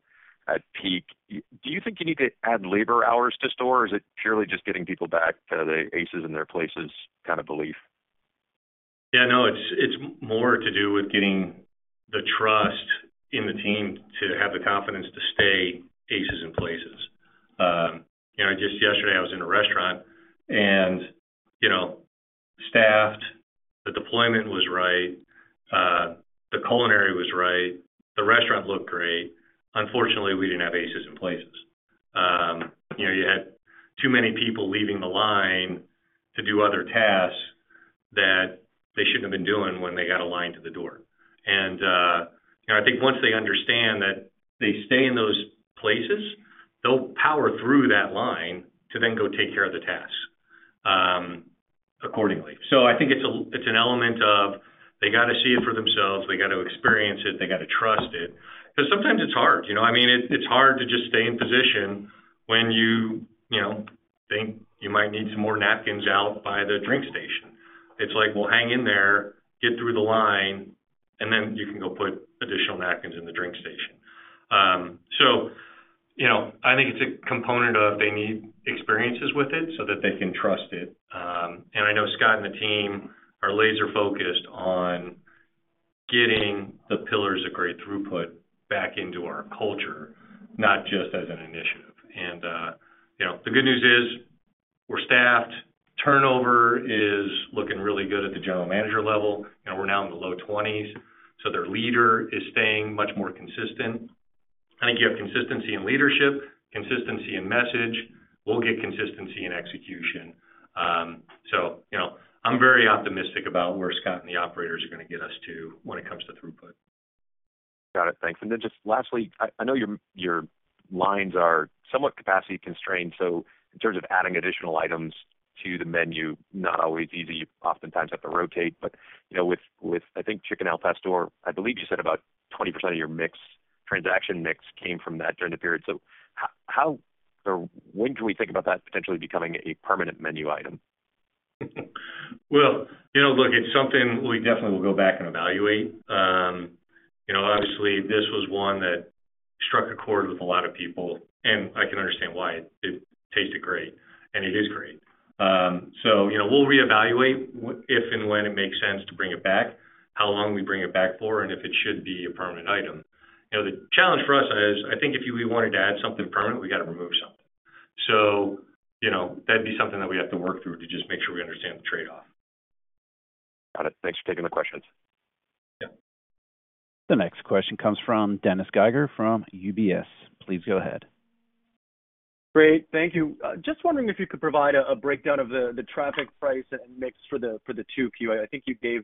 at peak. Do you think you need to add labor hours to store, or is it purely just getting people back to the aces in their places kind of belief? Yeah, no, it's more to do with getting the trust in the team to have the confidence to stay aces in places. you know, just yesterday I was in a restaurant and, you know, staffed, the deployment was right, the culinary was right, the restaurant looked great. Unfortunately, we didn't have aces in places. you know, you had too many people leaving the line to do other tasks that they shouldn't have been doing when they got a line to the door. you know, I think once they understand that they stay in those places, they'll power through that line to then go take care of the tasks accordingly. I think it's a, it's an element of they got to see it for themselves, they got to experience it, they got to trust it. Sometimes it's hard, you know? I mean, it's hard to just stay in position when you know, think you might need some more napkins out by the drink station. It's like, well, hang in there, get through the line, and then you can go put additional napkins in the drink station. You know, I think it's a component of they need experiences with it so that they can trust it. I know Scott and the team are laser-focused on getting the pillars of great throughput back into our culture, not just as an initiative. You know, the good news is we're staffed. Turnover is looking really good at the general manager level, and we're now in the low 20s, so their leader is staying much more consistent. I think you have consistency in leadership, consistency in message, we'll get consistency in execution. You know, I'm very optimistic about where Scott and the operators are gonna get us to when it comes to throughput. Got it. Thanks. Just lastly, I know your lines are somewhat capacity constrained, so in terms of adding additional items to the menu, not always easy. You oftentimes have to rotate, but, you know, with, I think, Chicken Al Pastor, I believe you said about 20% of your mix, transaction mix came from that during the period. Or when can we think about that potentially becoming a permanent menu item? Well, you know, look, it's something we definitely will go back and evaluate. You know, obviously, this was one that struck a chord with a lot of people, and I can understand why. It tasted great, and it is great. You know, we'll reevaluate if and when it makes sense to bring it back, how long we bring it back for, and if it should be a permanent item. You know, the challenge for us is, I think if we wanted to add something permanent, we got to remove something. You know, that'd be something that we have to work through to just make sure we understand the trade-off. Got it. Thanks for taking the questions. Yeah. The next question comes from Dennis Geiger from UBS. Please go ahead. Great. Thank you. just wondering if you could provide a breakdown of the traffic price and mix for the 2Q. I think you gave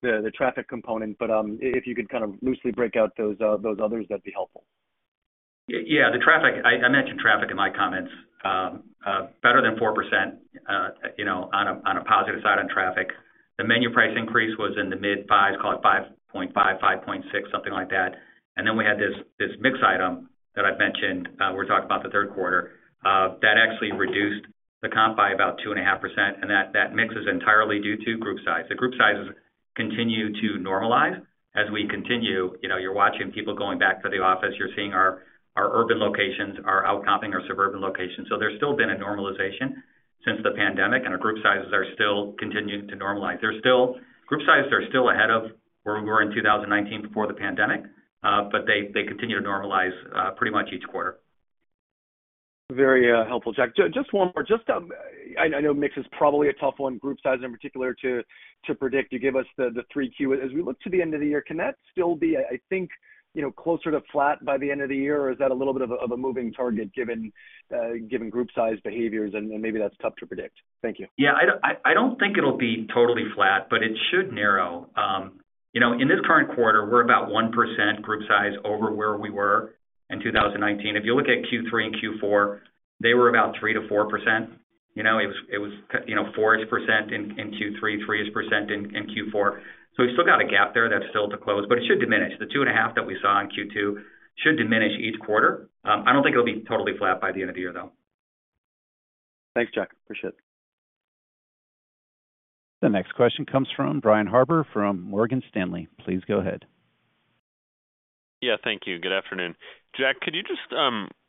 the traffic component, but if you could kind of loosely break out those others, that'd be helpful. Yeah, the traffic. I mentioned traffic in my comments. Better than 4%, you know, on a positive side on traffic. The menu price increase was in the mid-5s, call it 5.5.6, something like that. Then we had this mix item that I mentioned, we're talking about the third quarter. That actually reduced the comp by about 2.5%, and that mix is entirely due to group size. The group sizes continue to normalize as we continue, you know, you're watching people going back to the office. You're seeing our urban locations are outcomping our suburban locations. There's still been a normalization since the pandemic, and our group sizes are still continuing to normalize. Group sizes are still ahead of where we were in 2019 before the pandemic, they continue to normalize pretty much each quarter. Very helpful, Jack. Just one more. Just, I know mix is probably a tough one, group size in particular, to predict. You gave us the 3Q. As we look to the end of the year, can that still be, I think, you know, closer to flat by the end of the year, or is that a little bit of a, of a moving target given given group size behaviors, and maybe that's tough to predict? Thank you. Yeah, I don't think it'll be totally flat, but it should narrow. You know, in this current quarter, we're about 1% group size over where we were in 2019. If you look at Q3 and Q4, they were about 3%-4%. You know, it was, you know, 4-ish% in Q3, 3-ish% in Q4. We've still got a gap there that's still to close, but it should diminish. The 2.5 that we saw in Q2 should diminish each quarter. I don't think it'll be totally flat by the end of the year, though. Thanks, Jack. Appreciate it. The next question comes from Brian Harbour from Morgan Stanley. Please go ahead. Yeah, thank you. Good afternoon. Jack, could you just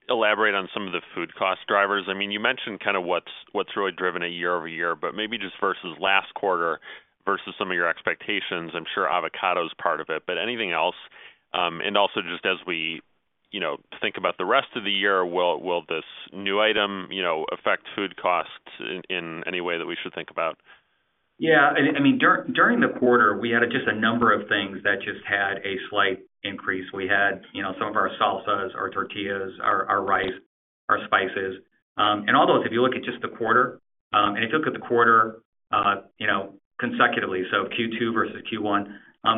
elaborate on some of the food cost drivers? I mean, you mentioned kind of what's really driven it year-over-year, but maybe just versus last quarter versus some of your expectations. I'm sure avocado is part of it, but anything else? Also, just as we, you know, think about the rest of the year, will this new item, you know, affect food costs in any way that we should think about? I mean, during the quarter, we had just a number of things that just had a slight increase. We had, you know, some of our salsas, our tortillas, our rice, our spices. All those, if you look at just the quarter, and you look at the quarter, you know, consecutively, so Q2 versus Q1,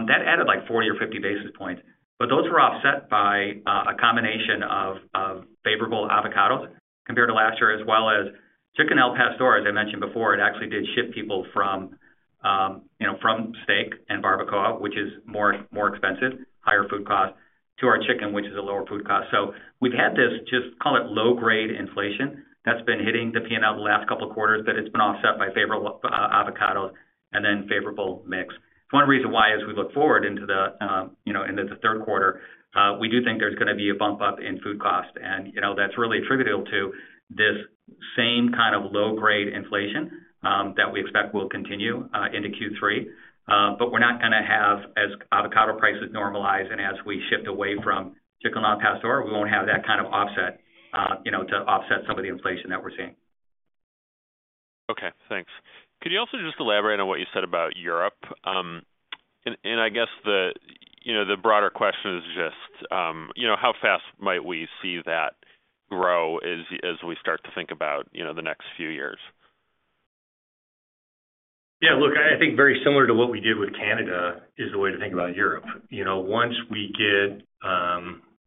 that added, like, 40 or 50 basis points. Those were offset by a combination of favorable avocados compared to last year, as well as Chicken Al Pastor, as I mentioned before, it actually did shift people from, you know, from steak and barbacoa, which is more expensive, higher food cost, to our chicken, which is a lower food cost. We've had this, just call it low-grade inflation, that's been hitting the P&L the last couple of quarters, but it's been offset by favorable avocados and then favorable mix. One reason why, as we look forward into the, you know, into the 3rd quarter, we do think there's gonna be a bump up in food cost, and, you know, that's really attributable to.... same kind of low-grade inflation, that we expect will continue into Q3. We're not going to have, as avocado prices normalize and as we shift away from Chicken Al Pastor, we won't have that kind of offset, you know, to offset some of the inflation that we're seeing. Okay, thanks. Could you also just elaborate on what you said about Europe? I guess the, you know, the broader question is just, you know, how fast might we see that grow as we start to think about, you know, the next few years? Yeah, look, I think very similar to what we did with Canada is the way to think about Europe. You know, once we get,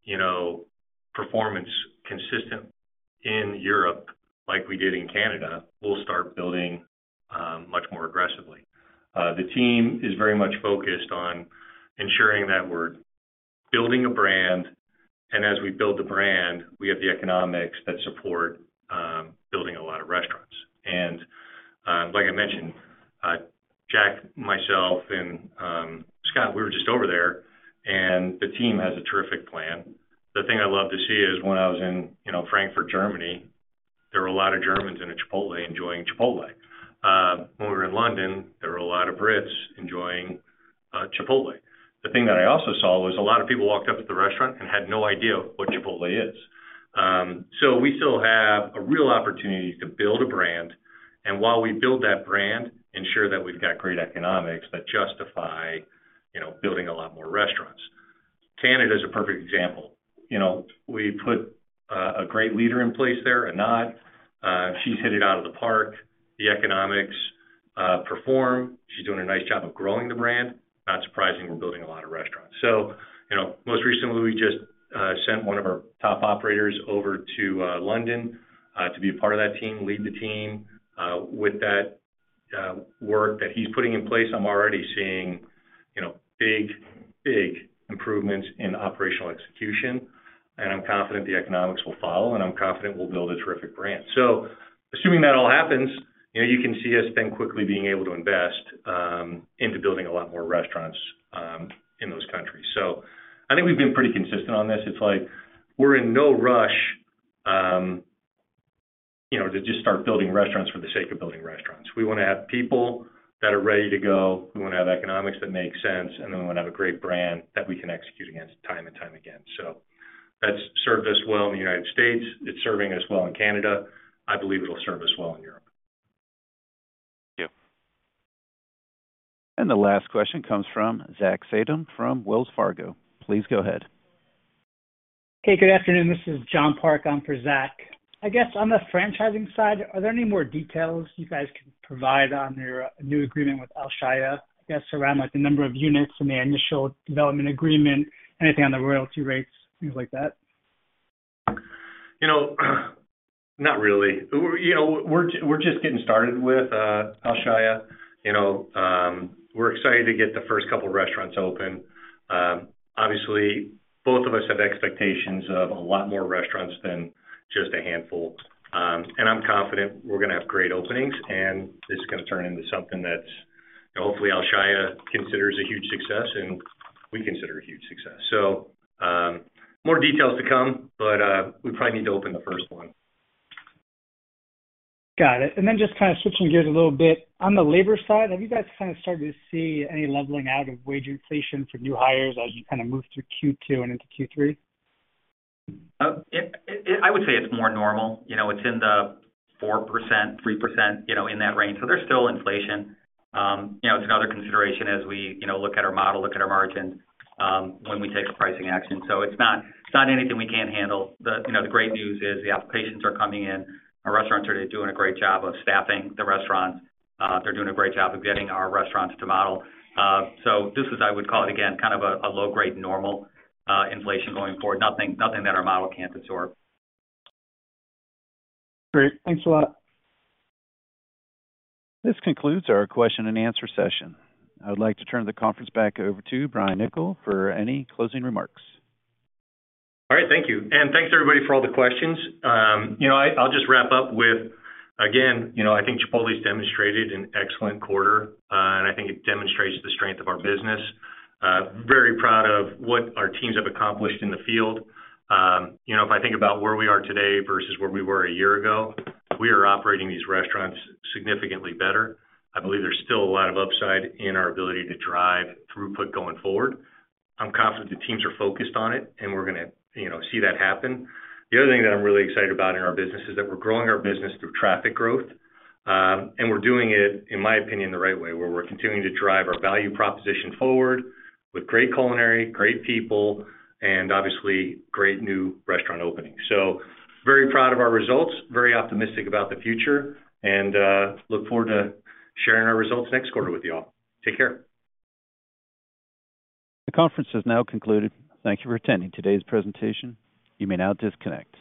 you know, performance consistent in Europe, like we did in Canada, we'll start building much more aggressively. The team is very much focused on ensuring that we're building a brand, and as we build the brand, we have the economics that support building a lot of restaurants. Like I mentioned, Jack, myself, and Scott, we were just over there, and the team has a terrific plan. The thing I love to see is when I was in, you know, Frankfurt, Germany, there were a lot of Germans in a Chipotle enjoying Chipotle. When we were in London, there were a lot of Brits enjoying Chipotle. The thing that I also saw was a lot of people walked up to the restaurant and had no idea what Chipotle is. We still have a real opportunity to build a brand, and while we build that brand, ensure that we've got great economics that justify, you know, building a lot more restaurants. Canada is a perfect example. You know, we put a great leader in place there, Anat, she's hit it out of the park. The economics perform. She's doing a nice job of growing the brand. Not surprising we're building a lot of restaurants. You know, most recently, we just sent one of our top operators over to London to be a part of that team, lead the team. With that work that he's putting in place, I'm already seeing, you know, big, big improvements in operational execution. I'm confident the economics will follow. I'm confident we'll build a terrific brand. Assuming that all happens, you know, you can see us then quickly being able to invest into building a lot more restaurants in those countries. I think we've been pretty consistent on this. It's like we're in no rush, you know, to just start building restaurants for the sake of building restaurants. We want to have people that are ready to go. We want to have economics that make sense, and then we want to have a great brand that we can execute against time and time again. That's served us well in the United States. It's serving us well in Canada. I believe it'll serve us well in Europe. Thank you. The last question comes from Zachary Fadem from Wells Fargo. Please go ahead. Okay, good afternoon. This is Jon Park on for Zach. I guess on the franchising side, are there any more details you guys can provide on your new agreement with Alshaya, I guess around, like, the number of units in the initial development agreement, anything on the royalty rates, things like that? You know, not really. You know, we're just getting started with Alshaya. You know, we're excited to get the first couple restaurants open. Obviously, both of us have expectations of a lot more restaurants than just a handful. I'm confident we're going to have great openings, and this is going to turn into something that, you know, hopefully Alshaya considers a huge success and we consider a huge success. More details to come, but we probably need to open the first one. Got it. Just kind of switching gears a little bit. On the labor side, have you guys kind of started to see any leveling out of wage inflation for new hires as you kind of move through Q2 and into Q3? I would say it's more normal. You know, it's in the 4%, 3%, you know, in that range. There's still inflation. You know, it's another consideration as we, you know, look at our model, look at our margins, when we take a pricing action. It's not, it's not anything we can't handle. The great news is the applications are coming in. Our restaurants are doing a great job of staffing the restaurants. They're doing a great job of getting our restaurants to model. This is, I would call it, again, kind of a low-grade normal inflation going forward. Nothing that our model can't absorb. Great. Thanks a lot. This concludes our question and answer session. I'd like to turn the conference back over to Brian Niccol for any closing remarks. All right. Thank you. Thanks, everybody, for all the questions. you know, I'll just wrap up with, again, you know, I think Chipotle's demonstrated an excellent quarter, and I think it demonstrates the strength of our business. Very proud of what our teams have accomplished in the field. you know, if I think about where we are today versus where we were a year ago, we are operating these restaurants significantly better. I believe there's still a lot of upside in our ability to drive throughput going forward. I'm confident the teams are focused on it, and we're going to, you know, see that happen. The other thing that I'm really excited about in our business is that we're growing our business through traffic growth, and we're doing it, in my opinion, the right way, where we're continuing to drive our value proposition forward with great culinary, great people, and obviously, great new restaurant openings. Very proud of our results, very optimistic about the future, and look forward to sharing our results next quarter with you all. Take care. The conference has now concluded. Thank you for attending today's presentation. You may now disconnect.